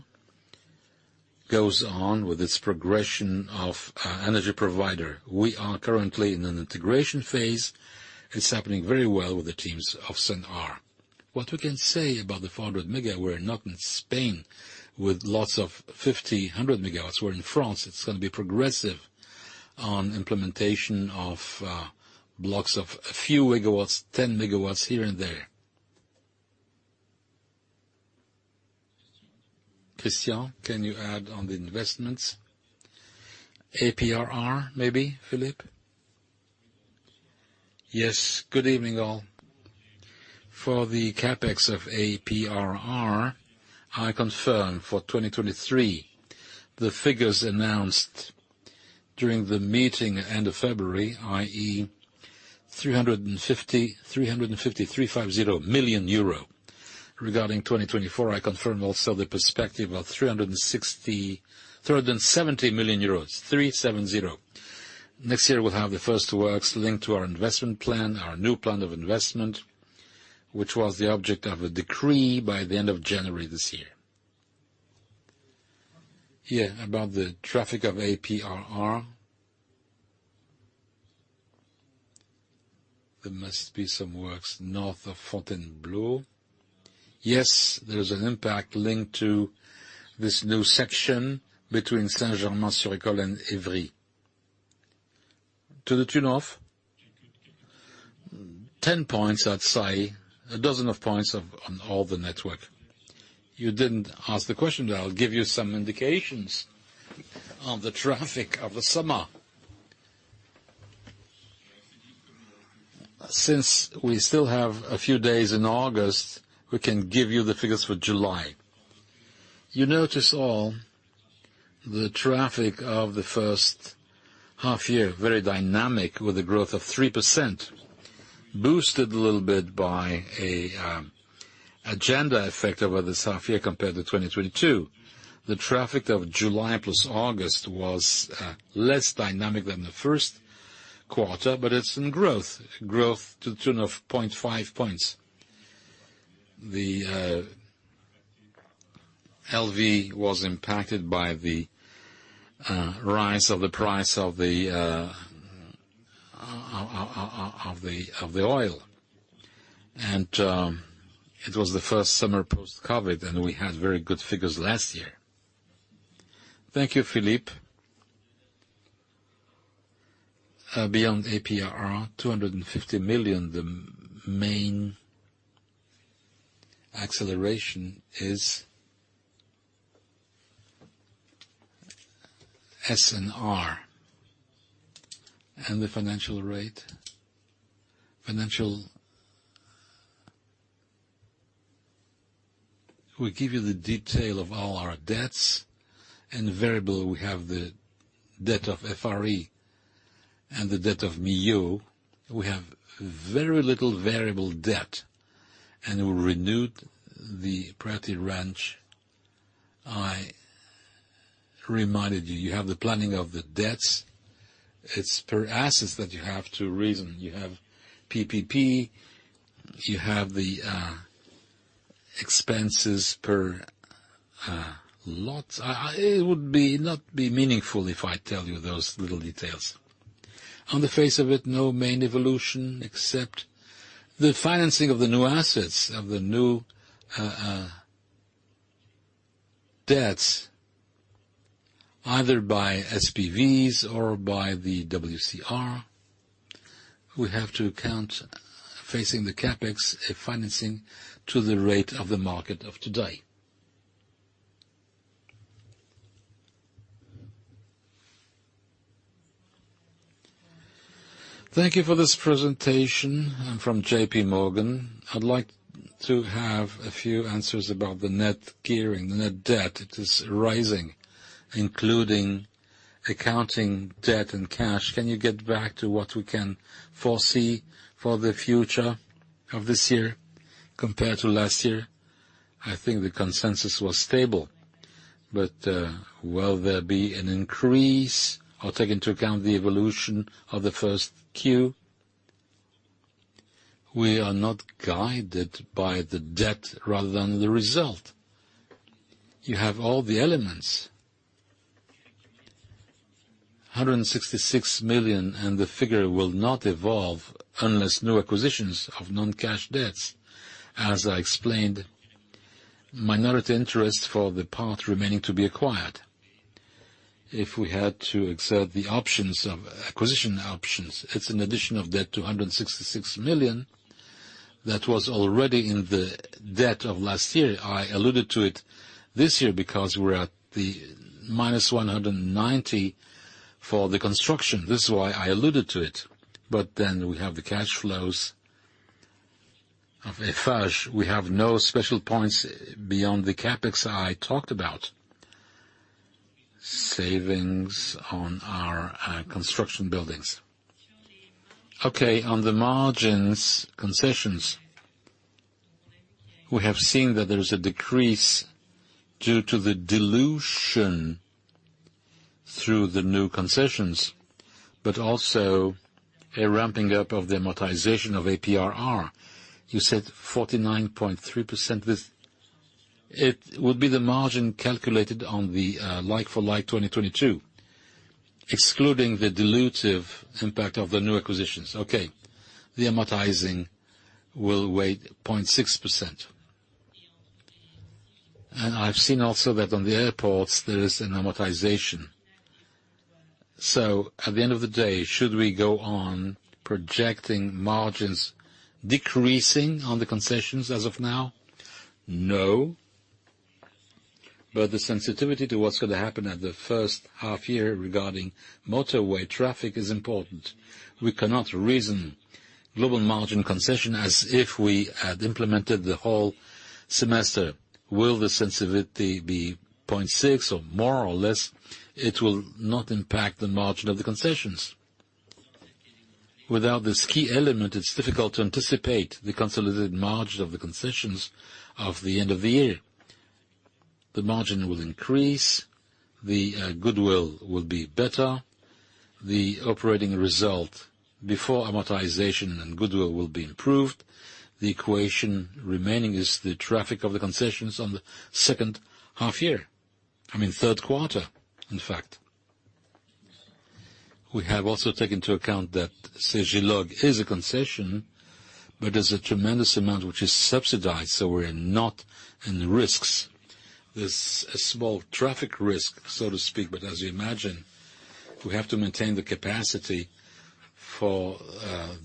goes on with its progression of, energy provider. We are currently in an integration phase. It's happening very well with the teams of Sun'R. What we can say about the 400 mega, we're not in Spain with lots of 50, 100 megawatts. We're in France. It's gonna be progressive on implementation of, blocks of a few megawatts, 10 megawatts here and there. Christian, can you add on the investments? APRR, maybe, Philippe? Yes, good evening, all. For the CapEx of APRR, I confirm for 2023, the figures announced during the meeting end of February, i.e., 350, 350, 350 million euro. Regarding 2024, I confirm also the perspective of 360 million-370 million euros, 370. Next year, we'll have the first works linked to our investment plan, our new plan of investment, which was the object of a decree by the end of January this year. Yeah, about the traffic of APRR. There must be some works north of Fontainebleau. Yes, there is an impact linked to this new section between Saint-Germain sur-l'Eau and Évry. To the tune of 10 points, I'd say, a dozen of points of, on all the network. You didn't ask the question, but I'll give you some indications on the traffic of the summer. Since we still have a few days in August, we can give you the figures for July. You notice all the traffic of the first half year, very dynamic, with a growth of 3%, boosted a little bit by a agenda effect over this half year compared to 2022. The traffic of July plus August was less dynamic than the first quarter, but it's in growth, growth to the tune of 0.5 points. The LV was impacted by the rise of the price of the oil. And it was the first summer post-COVID, and we had very good figures last year. Thank you, Philippe. Beyond APRR, 250 million, the main acceleration is SENAR. And the financial rate. Financial. We give you the detail of all our debts and variable. We have the debt of FRE and the debt of Millau. We have very little variable debt, and we renewed the Prairie Ranch. I reminded you, you have the planning of the debts. It's per assets that you have to reason. You have PPP, you have the expenses per lot. It would not be meaningful if I tell you those little details. On the face of it, no main evolution, except the financing of the new assets, of the new debts, either by SPVs or by the WCR. We have to count facing the CapEx, a financing to the rate of the market of today. Thank you for this presentation. I'm from JP Morgan. I'd like to have a few answers about the net gearing, the net debt. It is rising, including accounting, debt, and cash. Can you get back to what we can foresee for the future of this year compared to last year? I think the consensus was stable, but will there be an increase or take into account the evolution of the first Q? We are not guided by the debt rather than the result. You have all the elements. 166 million, and the figure will not evolve unless new acquisitions of non-cash debts, as I explained, minority interest for the part remaining to be acquired. If we had to exert the options of acquisition options, it's an addition of debt to 166 million that was already in the debt of last year. I alluded to it this year because we're at the -190 million for the construction. This is why I alluded to it. But then we have the cash flows of Eiffage. We have no special points beyond the CapEx I talked about. Savings on our construction buildings. Okay, on the margins concessions, we have seen that there is a decrease due to the dilution through the new concessions, but also a ramping up of the amortization of APRR. You said 49.3% with. It will be the margin calculated on the like-for-like 2022, excluding the dilutive impact of the new acquisitions. Okay. The amortizing will weight 0.6%. And I've seen also that on the airports, there is an amortization. So at the end of the day, should we go on projecting margins decreasing on the concessions as of now? No. But the sensitivity to what's gonna happen at the first half year regarding motorway traffic is important. We cannot reason global margin concession, as if we had implemented the whole semester. Will the sensitivity be 0.6 or more or less? It will not impact the margin of the concessions. Without this key element, it's difficult to anticipate the consolidated margin of the concessions of the end of the year. The margin will increase, the goodwill will be better, the operating result before amortization and goodwill will be improved. The equation remaining is the traffic of the concessions on the second half year, I mean, third quarter, in fact. We have also taken into account that CG Log is a concession, but there's a tremendous amount which is subsidized, so we're not in the risks. There's a small traffic risk, so to speak, but as you imagine, we have to maintain the capacity for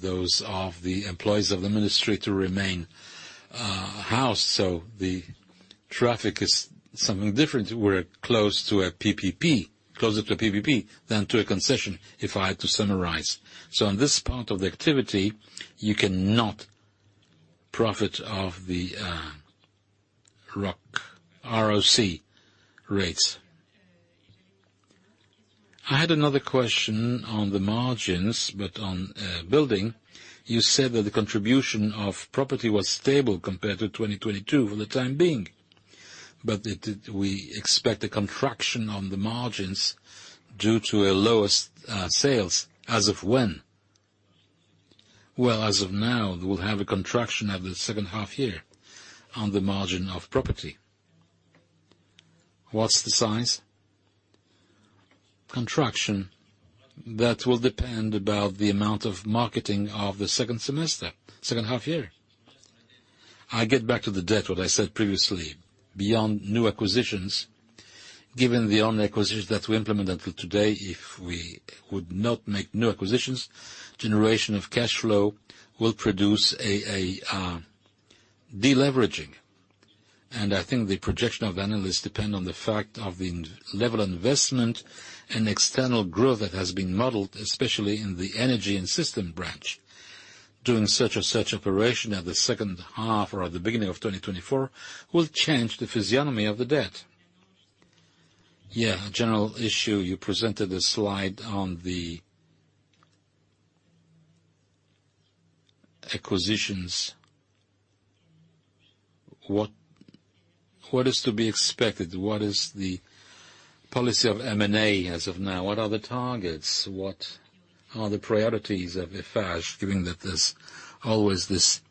those of the employees of the ministry to remain housed. So the traffic is something different. We're close to a PPP, closer to PPP than to a concession, if I had to summarize. So on this part of the activity, you cannot profit off the ROC, ROC rates. I had another question on the margins, but on building. You said that the contribution of property was stable compared to 2022 for the time being, but it, we expect a contraction on the margins due to a lowest sales. As of when? Well, as of now, we'll have a contraction at the second half year on the margin of property. What's the size? Contraction. That will depend about the amount of marketing of the second semester, second half year. I get back to the debt, what I said previously, beyond new acquisitions, given the only acquisition that we implemented until today, if we would not make new acquisitions, generation of cash flow will produce a deleveraging. I think the projection of analysts depend on the fact of the level of investment and external growth that has been modeled, especially in the energy and system branch. Doing such and such operation at the second half or at the beginning of 2024, will change the physiognomy of the debt. Yeah, a general issue. You presented a slide on the acquisitions. What is to be expected? What is the policy of M&A as of now? What are the targets? What are the priorities of Eiffage, given that there's always this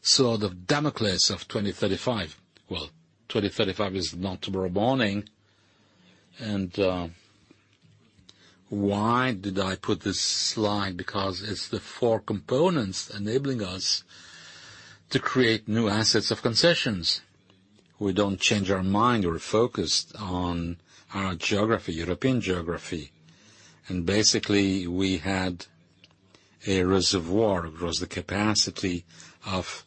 sword of Damocles of 2035? Well, 2035 is not tomorrow morning. Why did I put this slide? Because it's the four components enabling us to create new assets of concessions. We don't change our mind. We're focused on our geography, European geography. And basically, we had a reservoir across the capacity of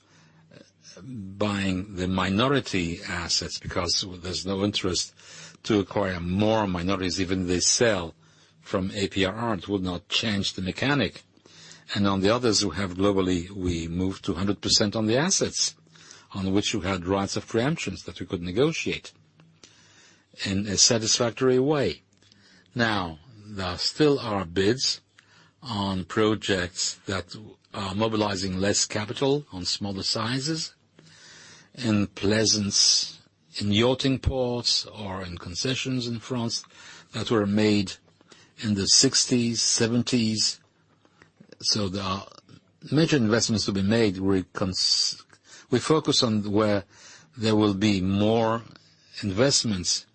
buying the minority assets, because there's no interest to acquire more minorities. Even they sell from APRR, it will not change the mechanic. And on the others, who have globally, we moved to 100% on the assets on which you had rights of preemption, that we could negotiate in a satisfactory way. Now, there still are bids on projects that are mobilizing less capital on smaller sizes, in plaisance, in yachting ports or in concessions in France, that were made in the sixties, seventies. So there are major investments to be made. We focus on where there will be more investments,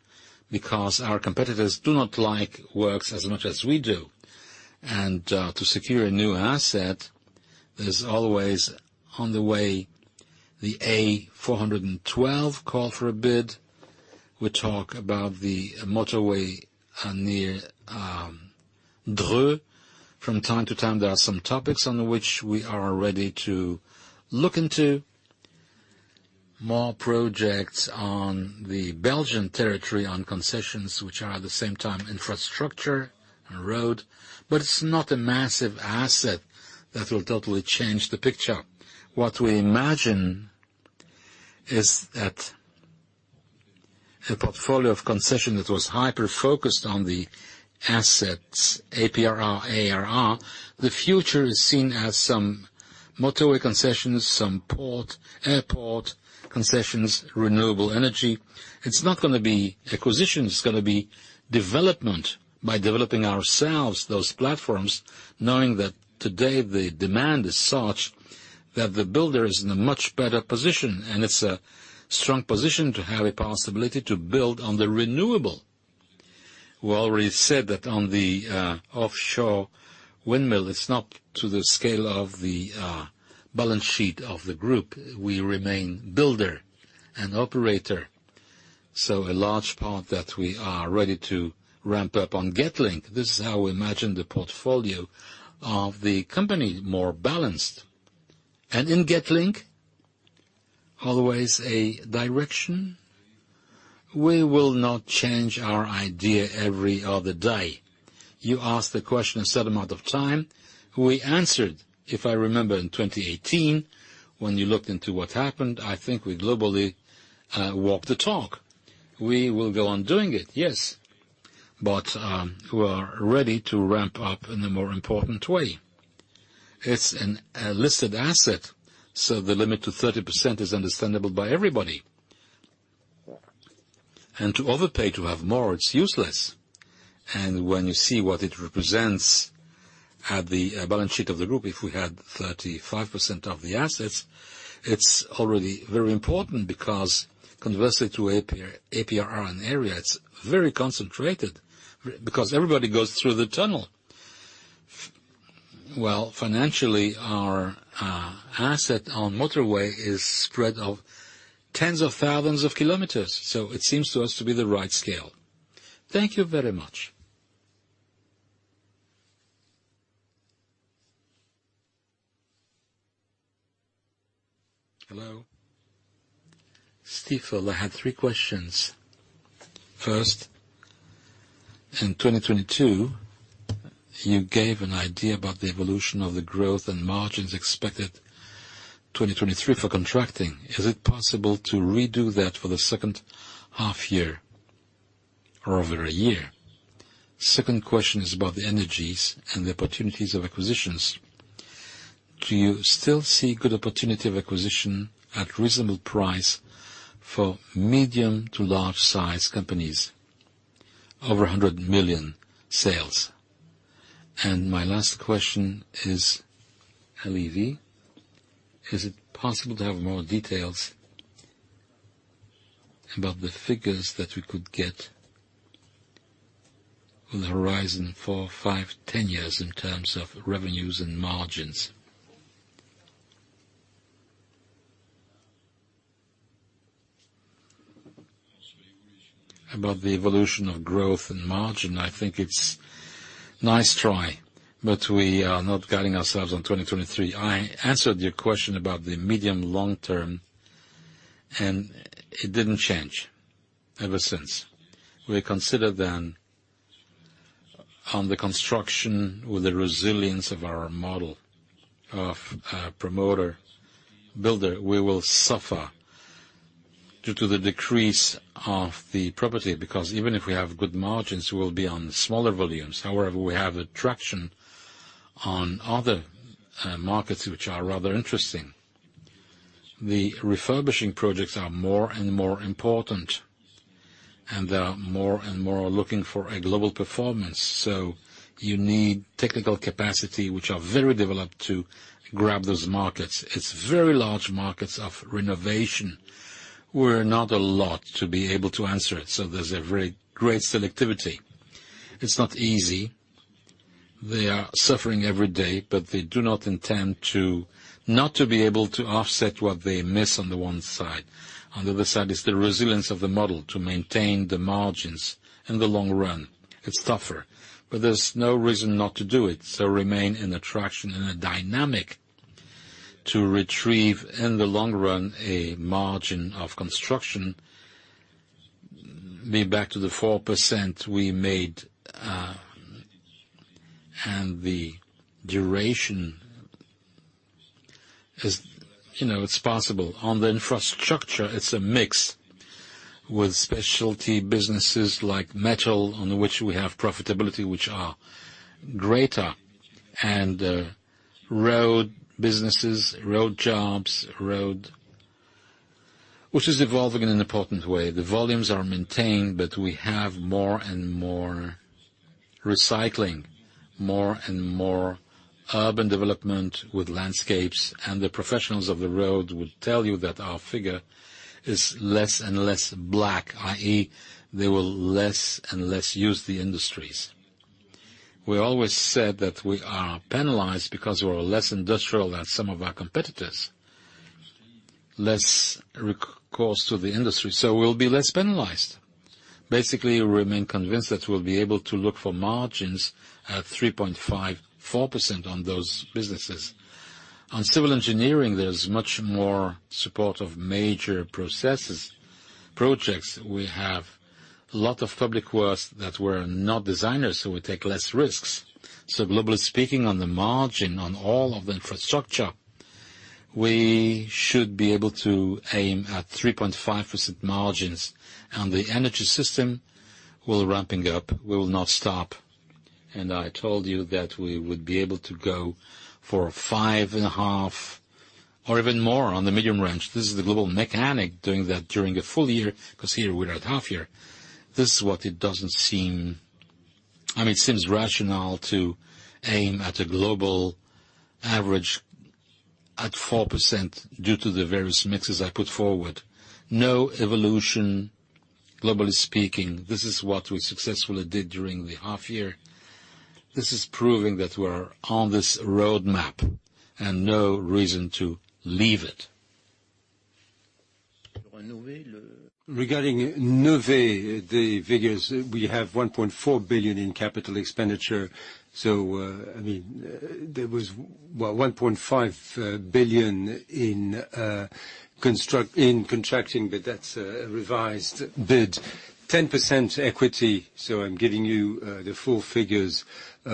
because our competitors do not like works as much as we do. To secure a new asset, there's always on the way, the A412 call for a bid. We talk about the motorway near Dreux. From time-to-time, there are some topics on which we are ready to look into. More projects on the Belgian territory, on concessions which are at the same time infrastructure and road. But it's not a massive asset that will totally change the picture. What we imagine is that a portfolio of concession that was hyper-focused on the assets, APRR, AREA, the future is seen as some motorway concessions, some port, airport concessions, renewable energy. It's not gonna be acquisitions, it's gonna be development. By developing ourselves, those platforms, knowing that today the demand is such that the builder is in a much better position, and it's a strong position to have a possibility to build on the renewable. We already said that on the offshore windmill, it's not to the scale of the balance sheet of the group. We remain builder and operator, so a large part that we are ready to ramp up on Getlink. This is how we imagine the portfolio of the company, more balanced. And in Getlink, always a direction, we will not change our idea every other day. You asked the question a certain amount of time. We answered, if I remember, in 2018, when you looked into what happened. I think we globally walked the talk. We will go on doing it, yes, but we are ready to ramp up in a more important way. It's a listed asset, so the limit to 30% is understandable by everybody. And to overpay, to have more, it's useless. And when you see what it represents at the balance sheet of the group, if we had 35% of the assets, it's already very important because conversely to APRR and AREA, it's very concentrated because everybody goes through the tunnel. Well, financially, our asset on motorway is spread over tens of thousands of kilometers, so it seems to us to be the right scale. Thank you very much. Hello. Stifel, I have three questions. First, in 2022, you gave an idea about the evolution of the growth and margins expected 2023 for contracting. Is it possible to redo that for the second half year or over a year? Second question is about the energies and the opportunities of acquisitions. Do you still see good opportunity of acquisition at reasonable price for medium to large size companies, over 100 million sales? And my last question is, LV, is it possible to have more details about the figures that we could get on the horizon for five, 10 years in terms of revenues and margins? About the evolution of growth and margin, I think it's nice try, but we are not guiding ourselves on 2023. I answered your question about the medium long term, and it didn't change ever since. We consider then, on the construction, with the resilience of our model of promoter builder, we will suffer due to the decrease of the property, because even if we have good margins, we will be on smaller volumes. However, we have a traction on other markets which are rather interesting. The refurbishing projects are more and more important, and they are more and more looking for a global performance. So you need technical capacity, which are very developed to grab those markets. It's very large markets of renovation. We're not a lot to be able to answer it, so there's a very great selectivity. It's not easy. They are suffering every day, but they do not intend to not to be able to offset what they miss on the one side. On the other side is the resilience of the model to maintain the margins in the long run. It's tougher, but there's no reason not to do it, so remain in attraction and a dynamic to retrieve, in the long run, a margin of construction, be back to the 4% we made, and the duration is, you know, it's possible. On the infrastructure, it's a mix with specialty businesses like metal, on which we have profitability, which are greater, and road businesses, road jobs, road, which is evolving in an important way. The volumes are maintained, but we have more and more recycling, more and more urban development with landscapes, and the professionals of the road will tell you that our figure is less and less black, i.e., they will less and less use the industries. We always said that we are penalized because we are less industrial than some of our competitors, less recourse to the industry, so we'll be less penalized. Basically, we remain convinced that we'll be able to look for margins at 3.5%-4% on those businesses. On civil engineering, there's much more support of major processes, projects. We have a lot of public works that were not designers, so we take less risks. So globally speaking, on the margin, on all of the infrastructure, we should be able to aim at 3.5% margins, and the energy system will ramping up. We will not stop. And I told you that we would be able to go for a 5.5 or even more on the medium range. This is the global mechanic doing that during a full year, 'cause here we're at half year. This is what it doesn't seem I mean, it seems rational to aim at a global average at 4% due to the various mixes I put forward. No evolution, globally speaking, this is what we successfully did during the half year. This is proving that we're on this roadmap and no reason to leave it. Regarding Nové, the figures, we have 1.4 billion in capital expenditure. So, I mean, there was, well, 1.5 billion in contracting, but that's a revised bid. 10% equity, so I'm giving you the full figures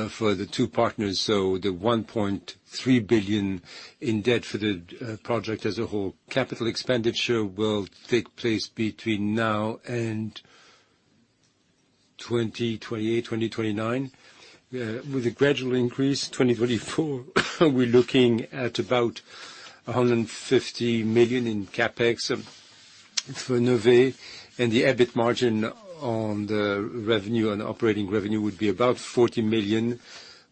for the two partners. So the 1.3 billion in debt for the project as a whole. Capital expenditure will take place between now and 2028, 2029, with a gradual increase. 2024, we're looking at about 150 million in CapEx for Nové, and the EBIT margin on the revenue, on the operating revenue, would be about 40 million,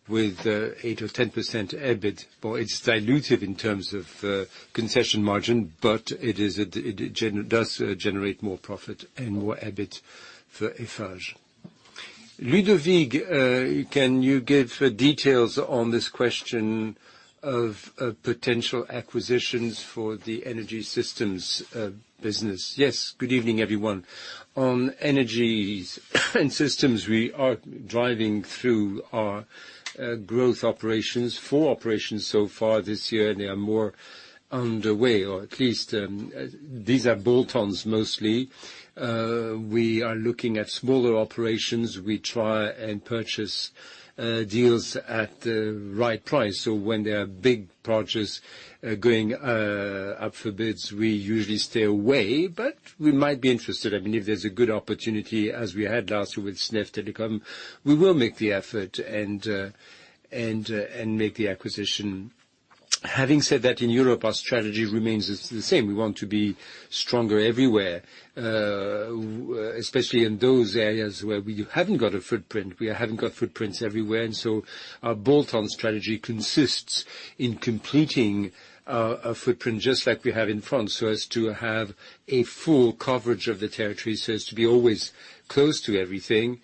with 8%-10% EBIT. But it's dilutive in terms of concession margin, but it is, it does generate more profit and more EBIT for Eiffage. Ludovic, can you give details on this question of potential acquisitions for the energy systems business? Yes, good evening, everyone. On energies and systems, we are driving through our growth operations. Four operations so far this year, and there are more underway, or at least, these are bolt-ons mostly. We are looking at smaller operations. We try and purchase deals at the right price. So when there are big projects going up for bids, we usually stay away, but we might be interested. I mean, if there's a good opportunity, as we had last year with SNEF Telecom, we will make the effort and make the acquisition. Having said that, in Europe, our strategy remains the same. We want to be stronger everywhere, especially in those areas where we haven't got a footprint. We haven't got footprints everywhere, and so our bolt-on strategy consists in completing our footprint, just like we have in France, so as to have a full coverage of the territory, so as to be always close to everything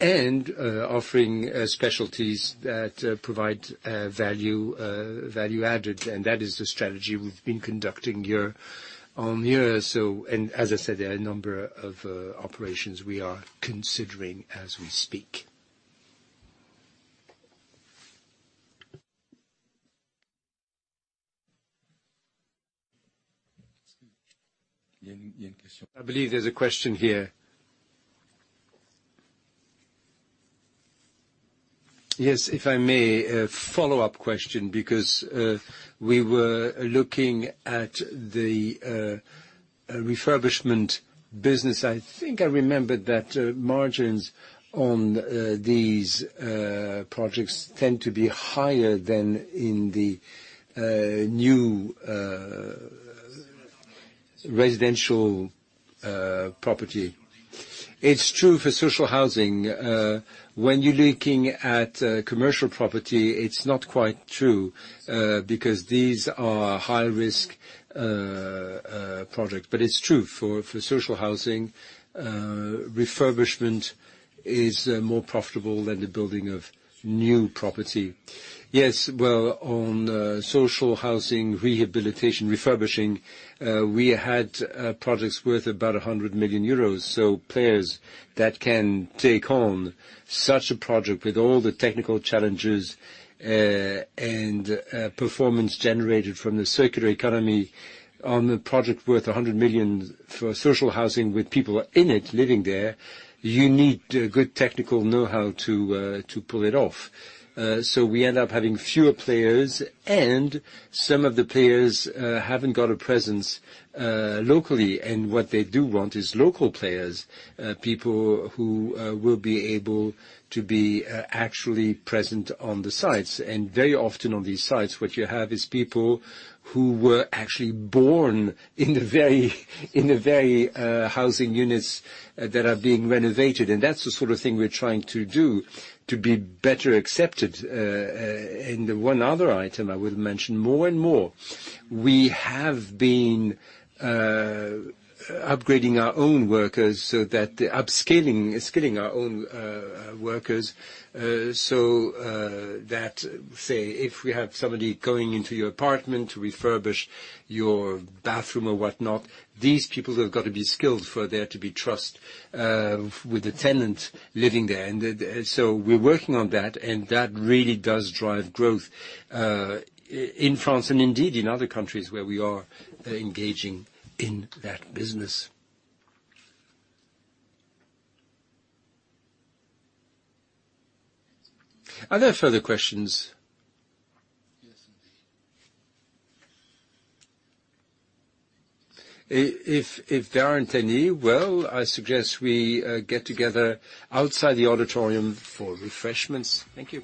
and offering specialties that provide value added. And that is the strategy we've been conducting year-on-year. And as I said, there are a number of operations we are considering as we speak. I believe there's a question here. Yes, if I may, a follow-up question, because we were looking at the refurbishment business. I think I remembered that margins on these projects tend to be higher than in the new residential property. It's true for social housing. When you're looking at commercial property, it's not quite true. But it's true for social housing, refurbishment is more profitable than the building of new property. Yes, well, on social housing, rehabilitation, refurbishing, we had projects worth about 100 million euros. So players that can take on such a project with all the technical challenges, and performance generated from the circular economy on a project worth 100 million for social housing, with people in it, living there, you need good technical know-how to pull it off. So we end up having fewer players, and some of the players haven't got a presence locally, and what they do want is local players, people who will be able to be actually present on the sites. And very often on these sites, what you have is people who were actually born in the very housing units that are being renovated, and that's the sort of thing we're trying to do to be better accepted. And the one other item I would mention, more and more, we have been upgrading our own workers so that the upscaling, skilling our own workers. So, if we have somebody going into your apartment to refurbish your bathroom or whatnot, these people have got to be skilled for there to be trust with the tenant living there. So we're working on that, and that really does drive growth in France and indeed in other countries where we are engaging in that business. Are there further questions? Yes, indeed. If there aren't any, well, I suggest we get together outside the auditorium for refreshments. Thank you.